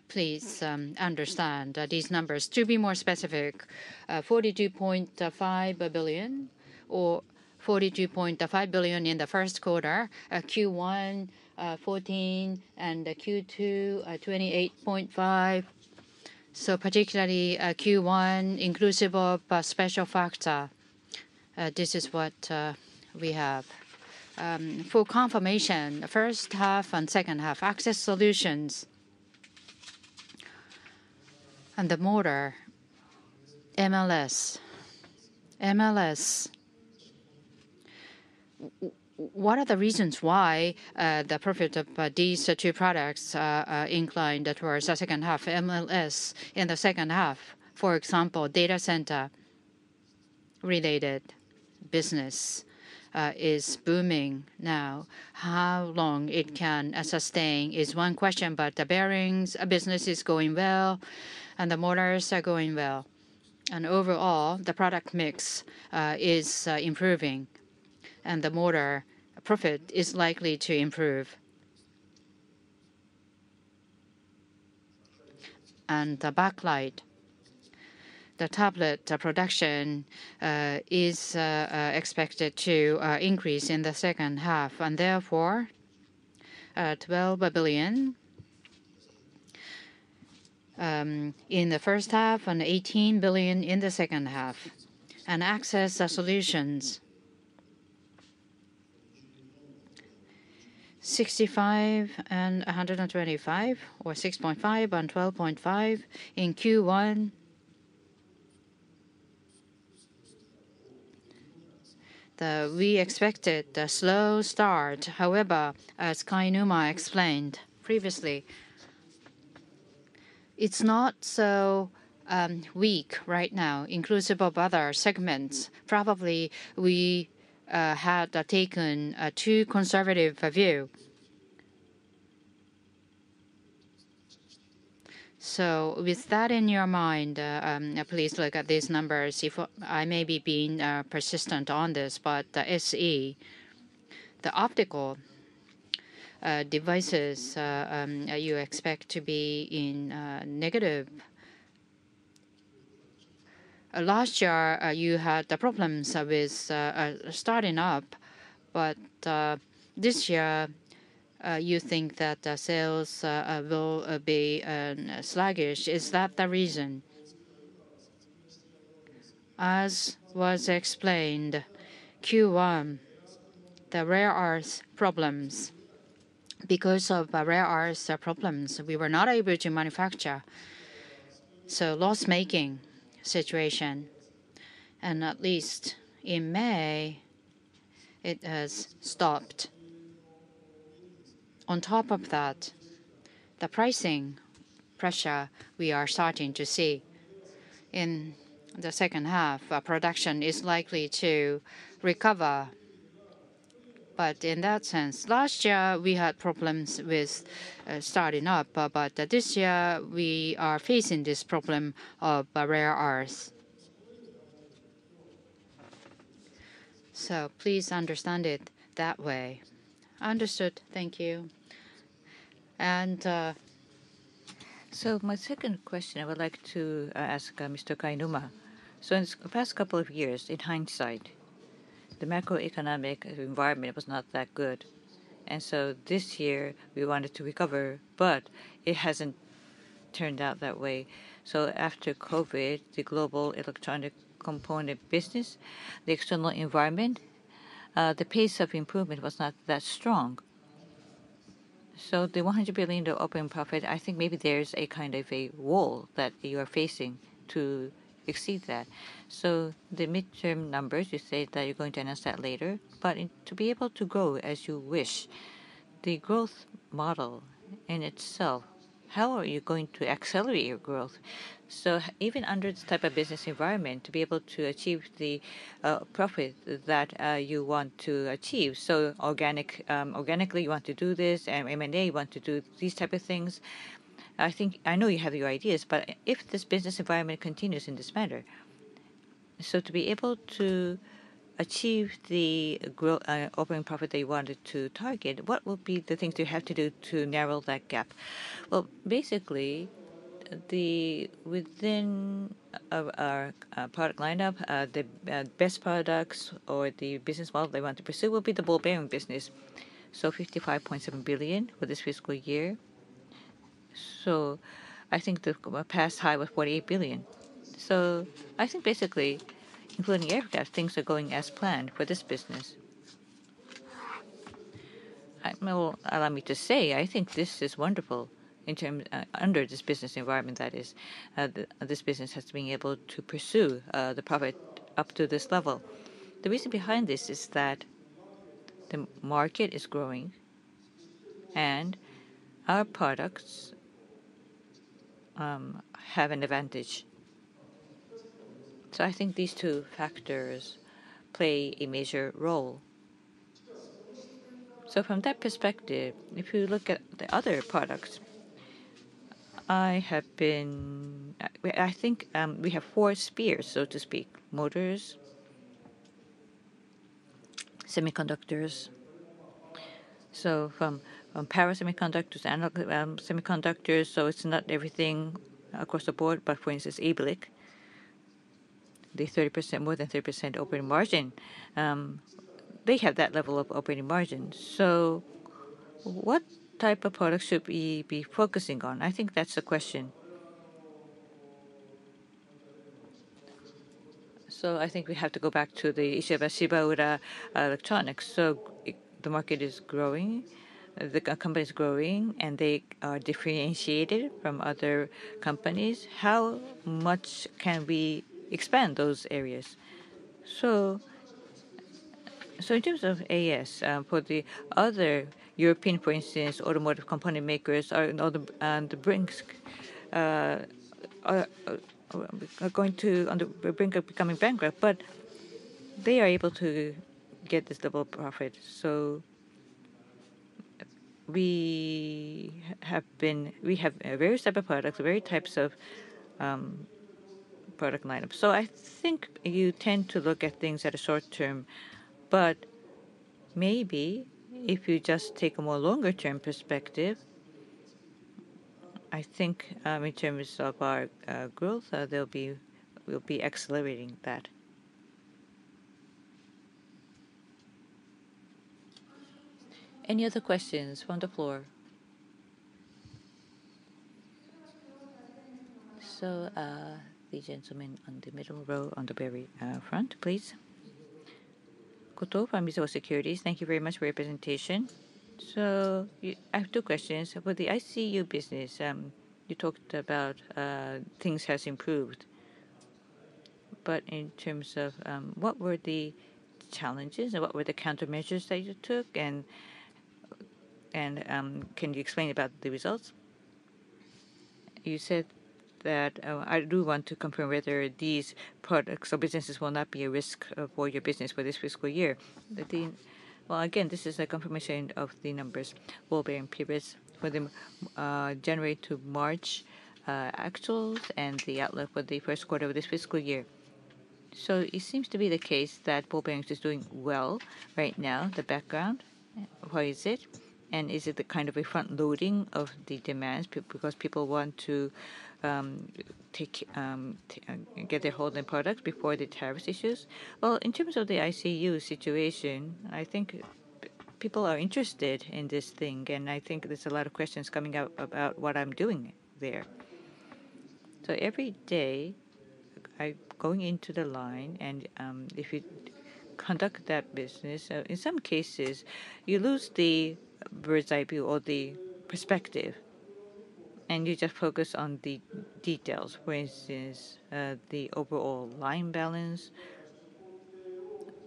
Please understand these numbers to be more specific: ¥42.5 billion or ¥42.5 billion in the first quarter, Q1, Q1, and Q2, ¥28.5 billion. Particularly Q1, inclusive of special factor. This is what we have. For confirmation, first half and second half, access solutions and the motor, MLS. MLS. What are the reasons why the profit of these two products are inclined towards the second half? MLS in the second half, for example, data center-related business is booming now. How long it can sustain is one question, but the bearings business is going well, and the motors are going well. Overall, the product mix is improving, and the motor profit is likely to improve. The backlight. The tablet production is expected to increase in the second half, and therefore ¥12 billion in the first half and ¥18 billion in the second half. Access solutions. 65 and 125 or 6.5 and 12.5 in Q1. We expected a slow start. However, as Kainuma explained previously, it's not so weak right now, inclusive of other segments. Probably we had taken a too conservative view. So, with that in your mind, please look at these numbers. I may be being persistent on this, but the SE, the optical devices, you expect to be in negative. Last year, you had problems with starting up, but this year, you think that sales will be sluggish. Is that the reason? As was explained, Q1, the rare earth problems. Because of rare earth problems, we were not able to manufacture. So, loss-making situation. At least in May, it has stopped. On top of that, the pricing pressure we are starting to see in the second half, production is likely to recover. In that sense, last year, we had problems with starting up, but this year, we are facing this problem of rare earth. Please understand it that way. Understood. Thank you. My second question I would like to ask Mr. Kainuma. In the past couple of years, in hindsight, the macroeconomic environment was not that good. This year, we wanted to recover, but it has not turned out that way. After COVID, the global electronic component business, the external environment, the pace of improvement was not that strong. The 100 billion open profit, I think maybe there is a kind of a wall that you are facing to exceed that. The midterm numbers, you say that you're going to announce that later, but to be able to grow as you wish, the growth model in itself, how are you going to accelerate your growth? Even under this type of business environment, to be able to achieve the profit that you want to achieve. Organically, you want to do this, and M&A, you want to do these types of things. I think I know you have your ideas, but if this business environment continues in this manner, to be able to achieve the open profit that you wanted to target, what will be the things you have to do to narrow that gap? Basically, within our product lineup, the best products or the business model they want to pursue will be the ball bearing business. $55.7 billion for this fiscal year. I think the past high was $48 billion. I think basically, including aircraft, things are going as planned for this business. Allow me to say, I think this is wonderful in terms, under this business environment, that is, this business has been able to pursue the profit up to this level. The reason behind this is that the market is growing and our products have an advantage. I think these two factors play a major role. From that perspective, if you look at the other products, I have been, I think we have four spheres, so to speak: motors, semiconductors. From power semiconductors to analog semiconductors, it's not everything across the board, but for instance, ABRIC, the 30%, more than 30% operating margin, they have that level of operating margin. What type of products should we be focusing on? I think that's the question. I think we have to go back to the issue of Shiba Electronics. The market is growing, the company is growing, and they are differentiated from other companies. How much can we expand those areas? In terms of AS, for the other European, for instance, automotive component makers and Brinks are going to, Brinks are becoming bankrupt, but they are able to get this level of profit. We have various types of products, various types of product lineups. I think you tend to look at things at a short term, but maybe if you just take a more longer-term perspective, I think in terms of our growth, we'll be accelerating that. Any other questions? On the floor. The gentleman on the middle row, on the very front, please. Goto from Mizuho Securities. Thank you very much for your presentation. I have two questions. For the ICU business, you talked about things have improved, but in terms of what were the challenges and what were the countermeasures that you took? Can you explain about the results? You said that I do want to confirm whether these products or businesses will not be a risk for your business for this fiscal year. Again, this is a confirmation of the numbers. Ball bearing periods for the January to March actual and the outlook for the first quarter of this fiscal year. It seems to be the case that ball bearings is doing well right now. The background, why is it? Is it the kind of a front loading of the demands because people want to get their hold on products before the tariff issues? In terms of the ICU situation, I think people are interested in this thing, and I think there's a lot of questions coming up about what I'm doing there. Every day, I'm going into the line, and if you conduct that business, in some cases, you lose the bird's eye view or the perspective, and you just focus on the details. For instance, the overall line balance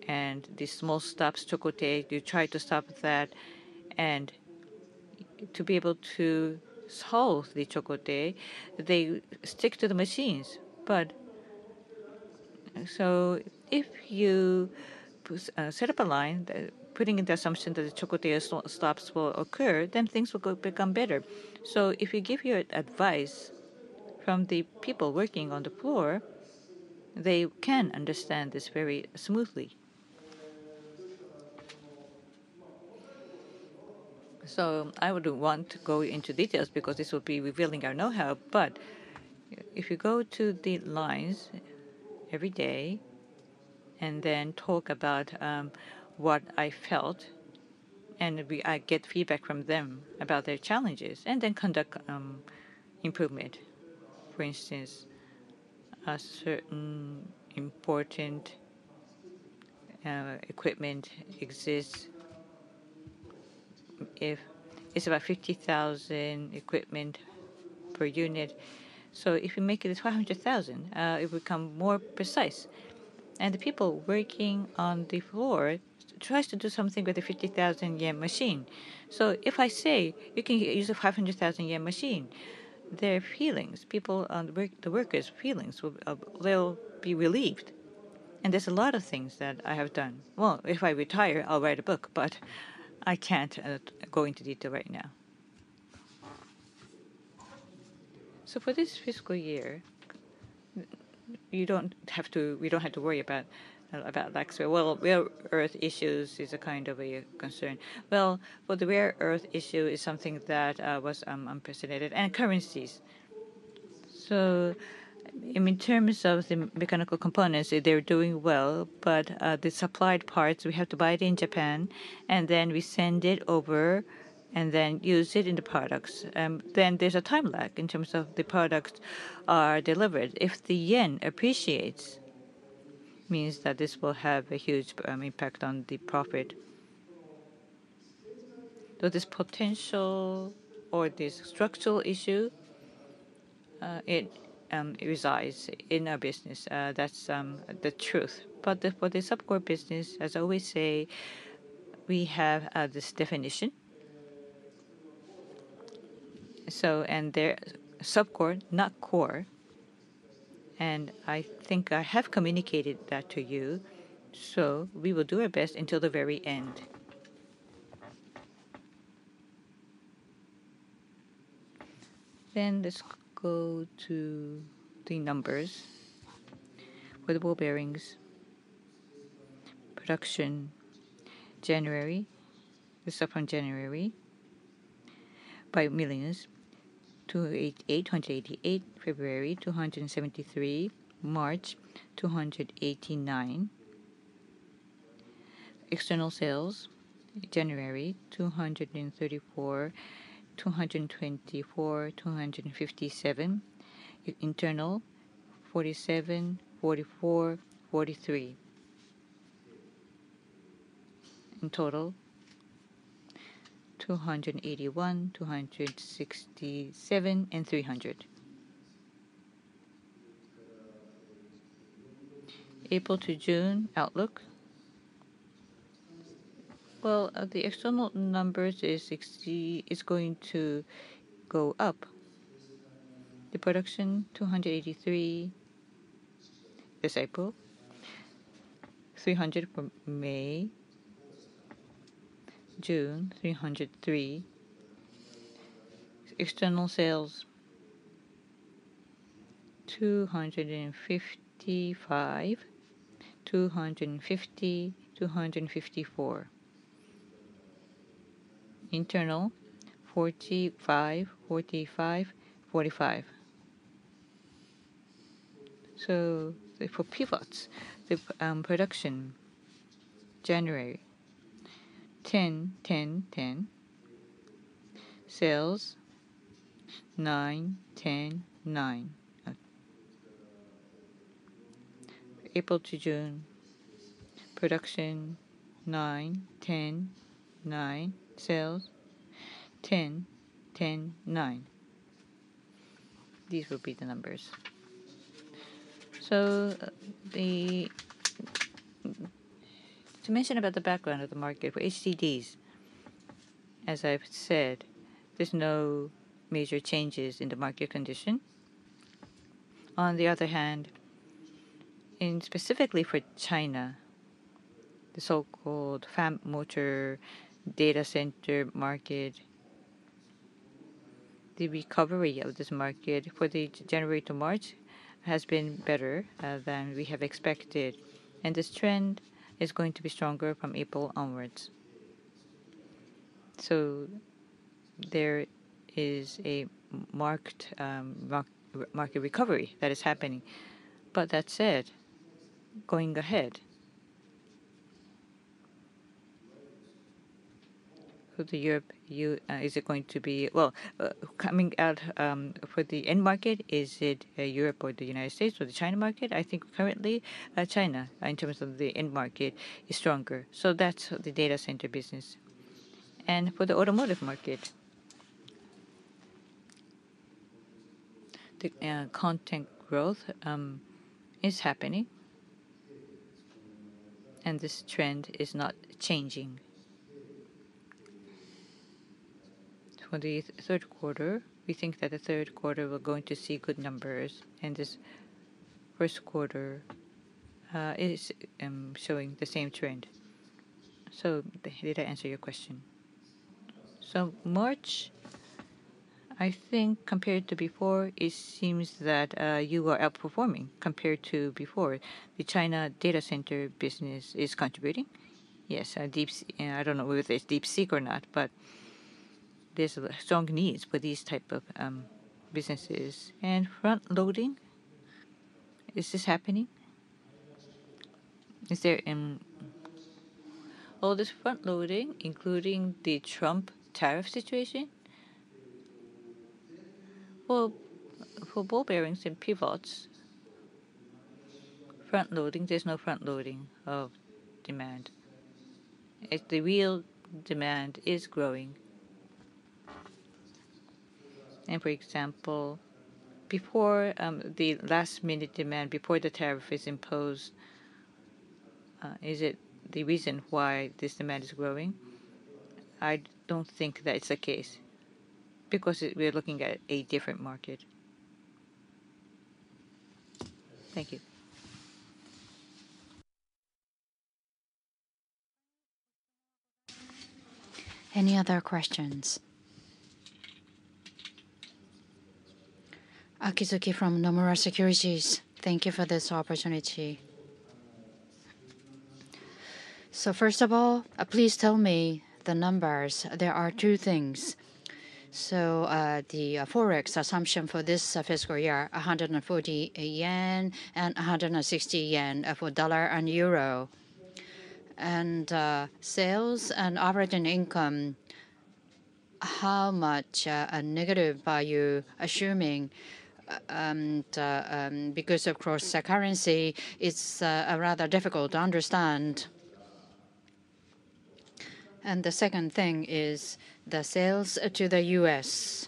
and the small stops, chocolate, you try to stop that. To be able to solve the chocolate, they stick to the machines. If you set up a line, putting into assumption that the chocolate stops will occur, then things will become better. If you give your advice from the people working on the floor, they can understand this very smoothly. I would not want to go into details because this will be revealing our know-how, but if you go to the lines every day and then talk about what I felt, and I get feedback from them about their challenges, and then conduct improvement. For instance, a certain important equipment exists. It is about 50,000 per unit. If you make it 500,000, it will become more precise. The people working on the floor try to do something with a 50,000 yen machine. If I say, "You can use a 500,000 yen machine," their feelings, people, the workers' feelings, they will be relieved. There are a lot of things that I have done. If I retire, I will write a book, but I cannot go into detail right now. For this fiscal year, you do not have to, we do not have to worry about that. Rare earth issues is a kind of a concern. For the rare earth issue, it is something that was unprecedented and currencies. In terms of the mechanical components, they're doing well, but the supplied parts, we have to buy it in Japan, and then we send it over and then use it in the products. There is a time lag in terms of the products are delivered. If the yen appreciates, it means that this will have a huge impact on the profit. This potential or this structural issue, it resides in our business. That's the truth. For the subcore business, as I always say, we have this definition. They're subcore, not core. I think I have communicated that to you. We will do our best until the very end. Let's go to the numbers for the ball bearings. Production, January, the stuff from January, 5 million, 288, 288. February, 273. March, 289. External sales, January, 234, 224, 257. Internal, 47, 44, 43. In total, 281, 267, and 300. April to June, outlook. The external numbers are going to go up. The production, 283 this April, 300 for May, June, 303. External sales, 255, 250, 254. Internal, 45, 45, 45. For pivots, the production, January, 10, 10, 10. Sales, 9, 10, 9. April to June, production, 9, 10, 9. Sales, 10, 10, 9. These will be the numbers. To mention about the background of the market for HDDs, as I've said, there's no major changes in the market condition. On the other hand, specifically for China, the so-called Fan Motor Data Center market, the recovery of this market for the January to March has been better than we have expected. This trend is going to be stronger from April onwards. There is a marked market recovery that is happening. That said, going ahead, for Europe, is it going to be coming out for the end market, is it Europe or the United States or the China market? I think currently, China in terms of the end market is stronger. That is the data center business. For the automotive market, the content growth is happening, and this trend is not changing. For the third quarter, we think that the third quarter we are going to see good numbers, and this first quarter is showing the same trend. Did I answer your question? March, I think compared to before, it seems that you are outperforming compared to before. The China data center business is contributing. Yes, I don't know whether it's DeepSeek or not, but there's a strong need for these types of businesses. Front loading, is this happening? Is there all this front loading, including the Trump tariff situation? For ball bearings and pivots, front loading, there's no front loading of demand. The real demand is growing. For example, before the last minute demand, before the tariff is imposed, is it the reason why this demand is growing? I don't think that it's the case because we're looking at a different market. Thank you. Any other questions? Akizuki from Nomura Securities. Thank you for this opportunity. First of all, please tell me the numbers. There are two things. The forex assumption for this fiscal year, 140 yen and 160 yen for dollar and euro. Sales and operating income, how much a negative value assuming? Because of course, the currency is rather difficult to understand. The second thing is the sales to the U.S.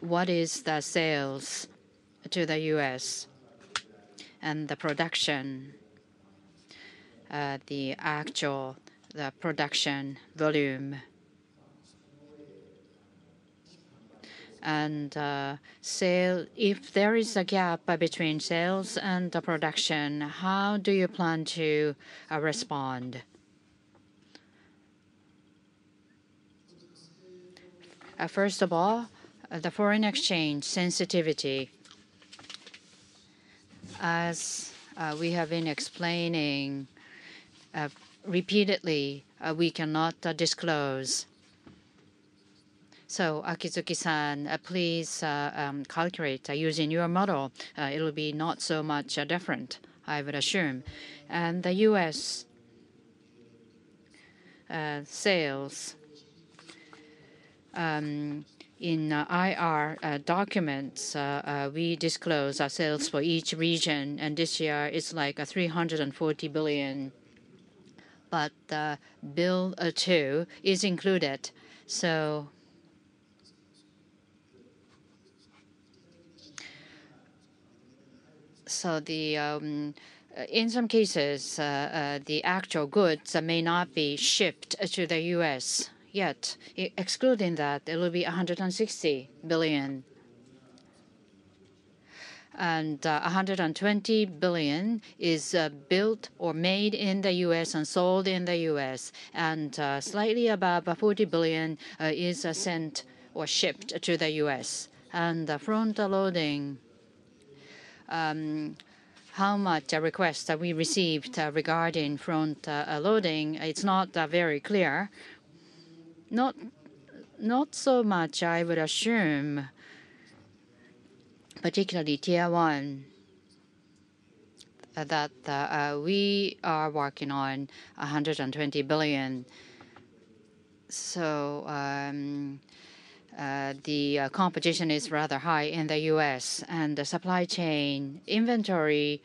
What is the sales to the U.S.? The production, the actual production volume. If there is a gap between sales and production, how do you plan to respond? First of all, the foreign exchange sensitivity. As we have been explaining repeatedly, we cannot disclose. Akizuki-san, please calculate using your model. It will be not so much different, I would assume. The U.S. sales in IR documents, we disclose our sales for each region, and this year is like 340 billion. The bill to is included. In some cases, the actual goods may not be shipped to the U.S. yet. Excluding that, it will be 160 billion. 120 billion is built or made in the U.S. and sold in the U.S. Slightly above, $40 billion is sent or shipped to the U.S. The front loading, how much requests that we received regarding front loading, it's not very clear. Not so much, I would assume, particularly Tier 1, that we are working on $120 billion. The competition is rather high in the U.S. The supply chain inventory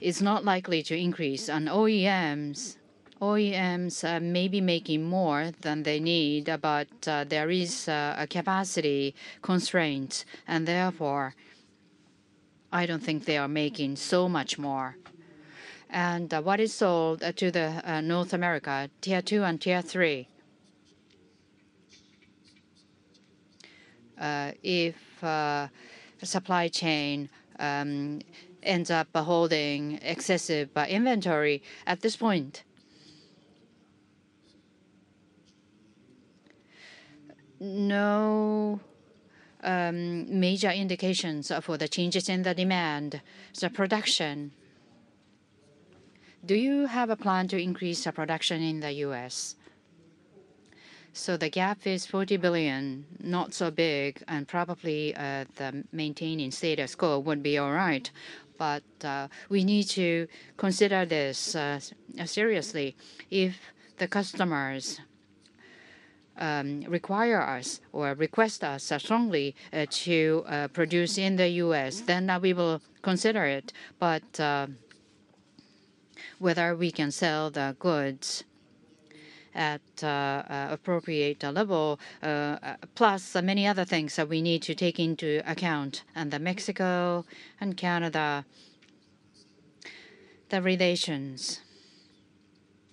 is not likely to increase. OEMs may be making more than they need, but there is a capacity constraint. Therefore, I don't think they are making so much more. What is sold to North America, Tier 2 and Tier 3? If supply chain ends up holding excessive inventory at this point, no major indications for the changes in the demand. The production, do you have a plan to increase production in the U.S.? The gap is $40 billion, not so big, and probably the maintaining status quo would be all right. We need to consider this seriously. If the customers require us or request us strongly to produce in the U.S., then we will consider it. Whether we can sell the goods at an appropriate level, plus many other things that we need to take into account, and Mexico and Canada, the relations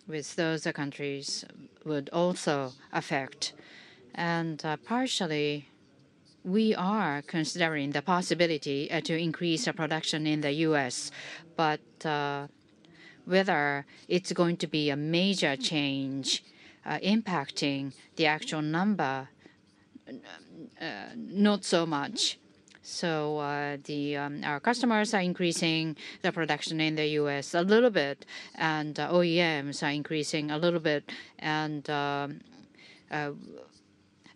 with those countries would also affect. Partially, we are considering the possibility to increase production in the U.S. Whether it is going to be a major change impacting the actual number, not so much. Our customers are increasing the production in the U.S. a little bit, and OEMs are increasing a little bit.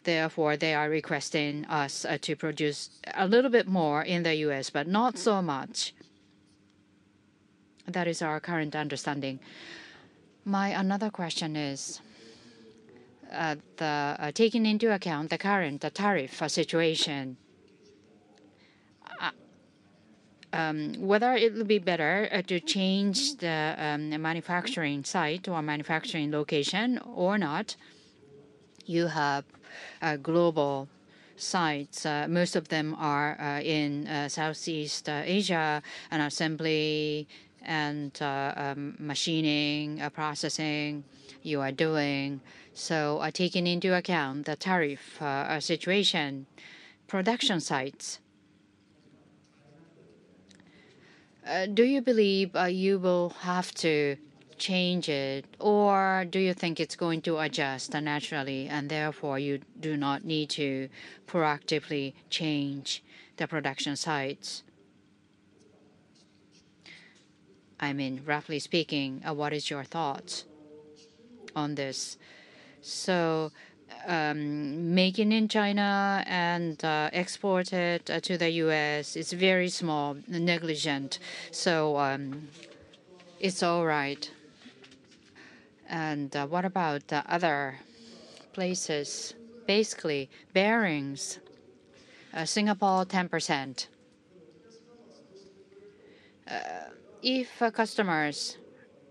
Therefore, they are requesting us to produce a little bit more in the U.S., but not so much. That is our current understanding. My another question is, taking into account the current tariff situation, whether it would be better to change the manufacturing site or manufacturing location or not? You have global sites. Most of them are in Southeast Asia, and assembly and machining processing you are doing. Taking into account the tariff situation, production sites, do you believe you will have to change it, or do you think it is going to adjust naturally, and therefore you do not need to proactively change the production sites? I mean, roughly speaking, what is your thoughts on this? Making in China and exporting to the U.S. is very small, negligent. It is all right. What about the other places? Basically, bearings, Singapore 10%. If customers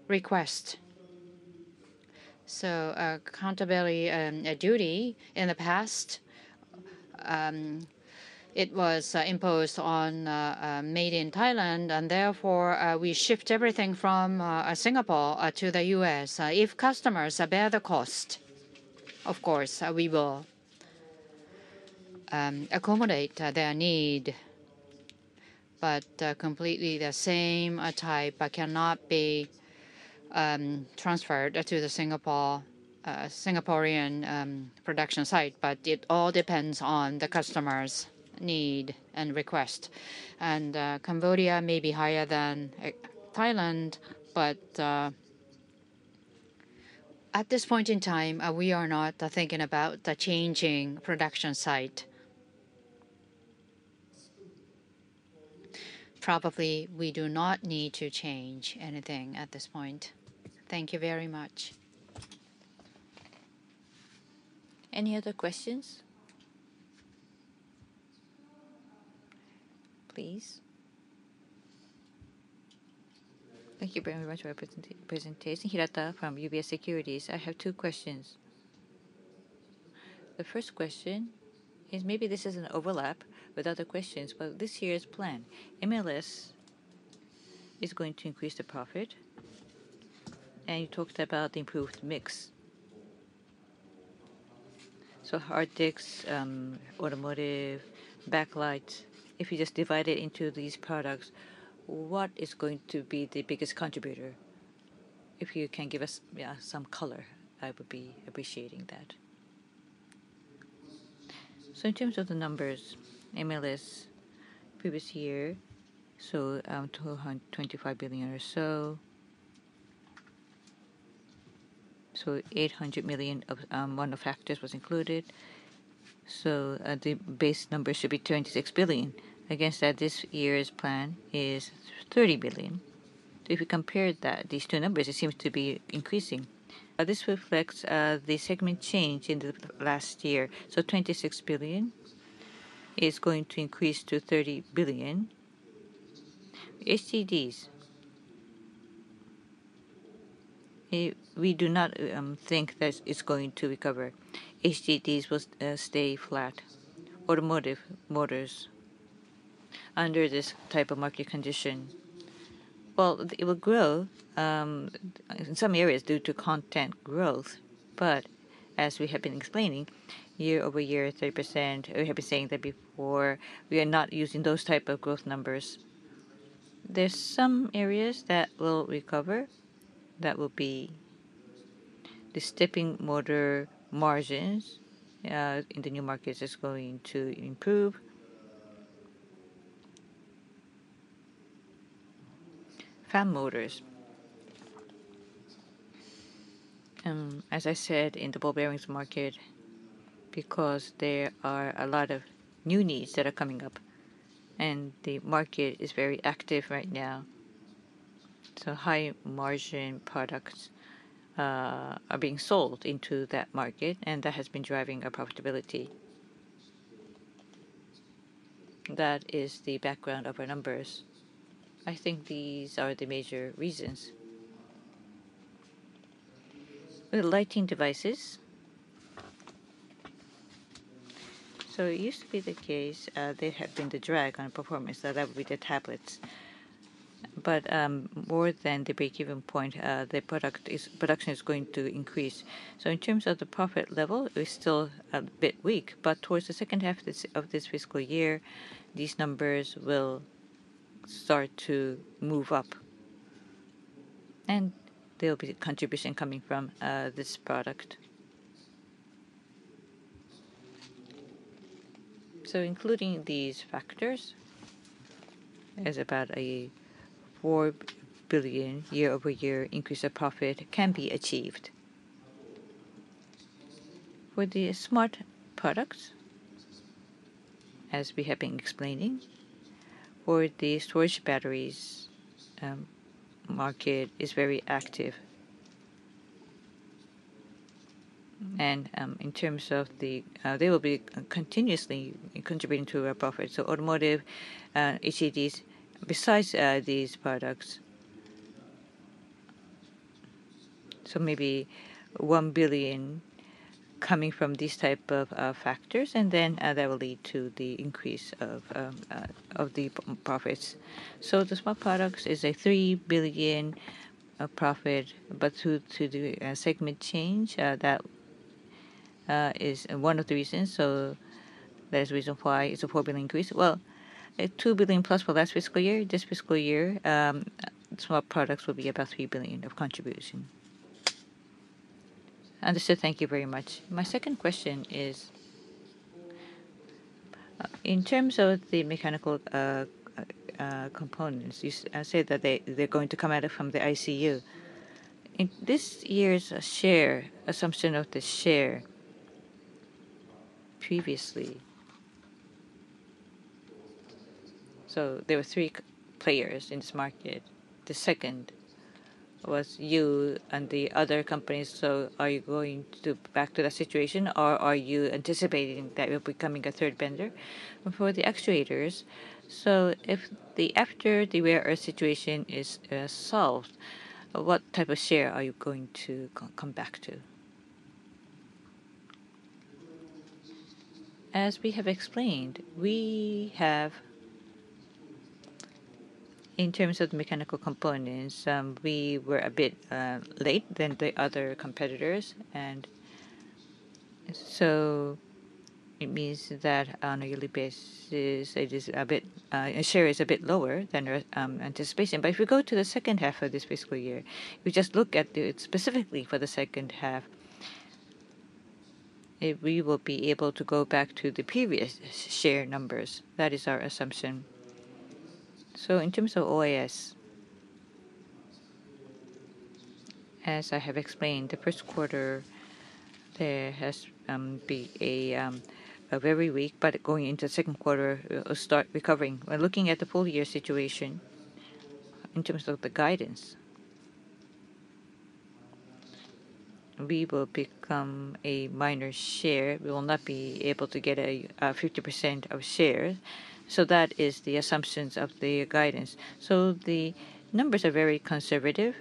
request, so accountability duty in the past, it was imposed on made in Thailand, and therefore we shipped everything from Singapore to the U.S. If customers bear the cost, of course, we will accommodate their need. Completely the same type cannot be transferred to the Singaporean production site. It all depends on the customer's need and request. Cambodia may be higher than Thailand, but at this point in time, we are not thinking about changing production site. Probably we do not need to change anything at this point. Thank you very much. Any other questions? Please. Thank you very much for your presentation. Hirata from UBS Securities. I have two questions. The first question is maybe this is an overlap with other questions, but this year's plan, MLS is going to increase the profit, and you talked about the improved mix. So, hard discs, automotive, backlight, if you just divide it into these products, what is going to be the biggest contributor? If you can give us some color, I would be appreciating that. In terms of the numbers, MLS previous year, so 225 billion or so. So, 8 billion of manufacturers was included. The base number should be 216 billion. Against that, this year's plan is 230 billion. If you compare these two numbers, it seems to be increasing. This reflects the segment change in the last year. So, 216 billion is going to increase to 230 billion. HDDs, we do not think that it's going to recover. HDDs will stay flat. Automotive motors, under this type of market condition, it will grow in some areas due to content growth. As we have been explaining, year over year, 30%, we have been saying that before, we are not using those types of growth numbers. There are some areas that will recover. That will be the stepping motor margins in the new markets is going to improve. Fan motors, as I said, in the ball bearings market, because there are a lot of new needs that are coming up, and the market is very active right now. High margin products are being sold into that market, and that has been driving our profitability. That is the background of our numbers. I think these are the major reasons. The lighting devices. It used to be the case there had been the drag on performance, that would be the tablets. More than the break-even point, the production is going to increase. In terms of the profit level, it's still a bit weak. Towards the second half of this fiscal year, these numbers will start to move up. There will be a contribution coming from this product. Including these factors, there's about a 4 billion year-over-year increase of profit that can be achieved. For the smart products, as we have been explaining, the storage batteries market is very active. In terms of that, they will be continuously contributing to our profits. Automotive, HDDs, besides these products, maybe 1 billion coming from these types of factors, and then that will lead to the increase of the profits. The smart products is a 3 billion profit, but due to the segment change, that is one of the reasons. There's a reason why it's a 4 billion increase. 2 billion plus for last fiscal year. This fiscal year, smart products will be about $3 billion of contribution. Understood. Thank you very much. My second question is, in terms of the mechanical components, you said that they're going to come at it from the ICU. This year's share, assumption of the share previously. So, there were three players in this market. The second was you and the other companies. Are you going to back to that situation, or are you anticipating that it will be coming a third vendor for the actuators? If after the rare earth situation is solved, what type of share are you going to come back to? As we have explained, we have, in terms of mechanical components, we were a bit late than the other competitors. It means that on a yearly basis, it is a bit, the share is a bit lower than anticipation. If we go to the second half of this fiscal year, if we just look at it specifically for the second half, we will be able to go back to the previous share numbers. That is our assumption. In terms of OAS, as I have explained, the first quarter, there has been a very weak, but going into the second quarter, it will start recovering. When looking at the full year situation, in terms of the guidance, we will become a minor share. We will not be able to get a 50% of shares. That is the assumptions of the guidance. The numbers are very conservative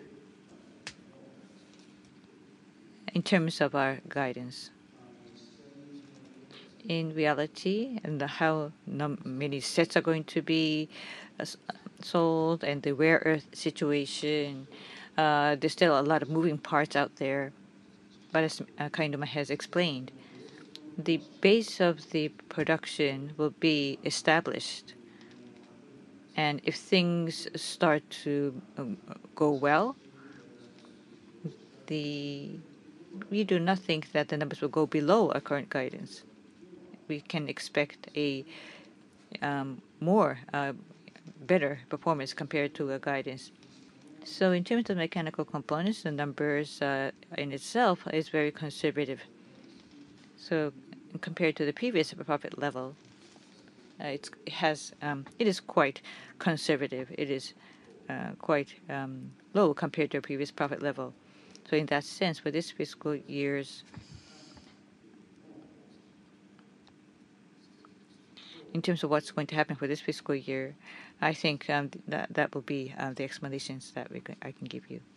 in terms of our guidance. In reality, and how many sets are going to be sold, and the rare earth situation, there's still a lot of moving parts out there. As Kainuma has explained, the base of the production will be established. If things start to go well, we do not think that the numbers will go below our current guidance. We can expect a better performance compared to our guidance. In terms of mechanical components, the numbers in itself are very conservative. Compared to the previous profit level, it is quite conservative. It is quite low compared to our previous profit level. In that sense, for this fiscal year, in terms of what is going to happen for this fiscal year, I think that will be the explanations that I can give you.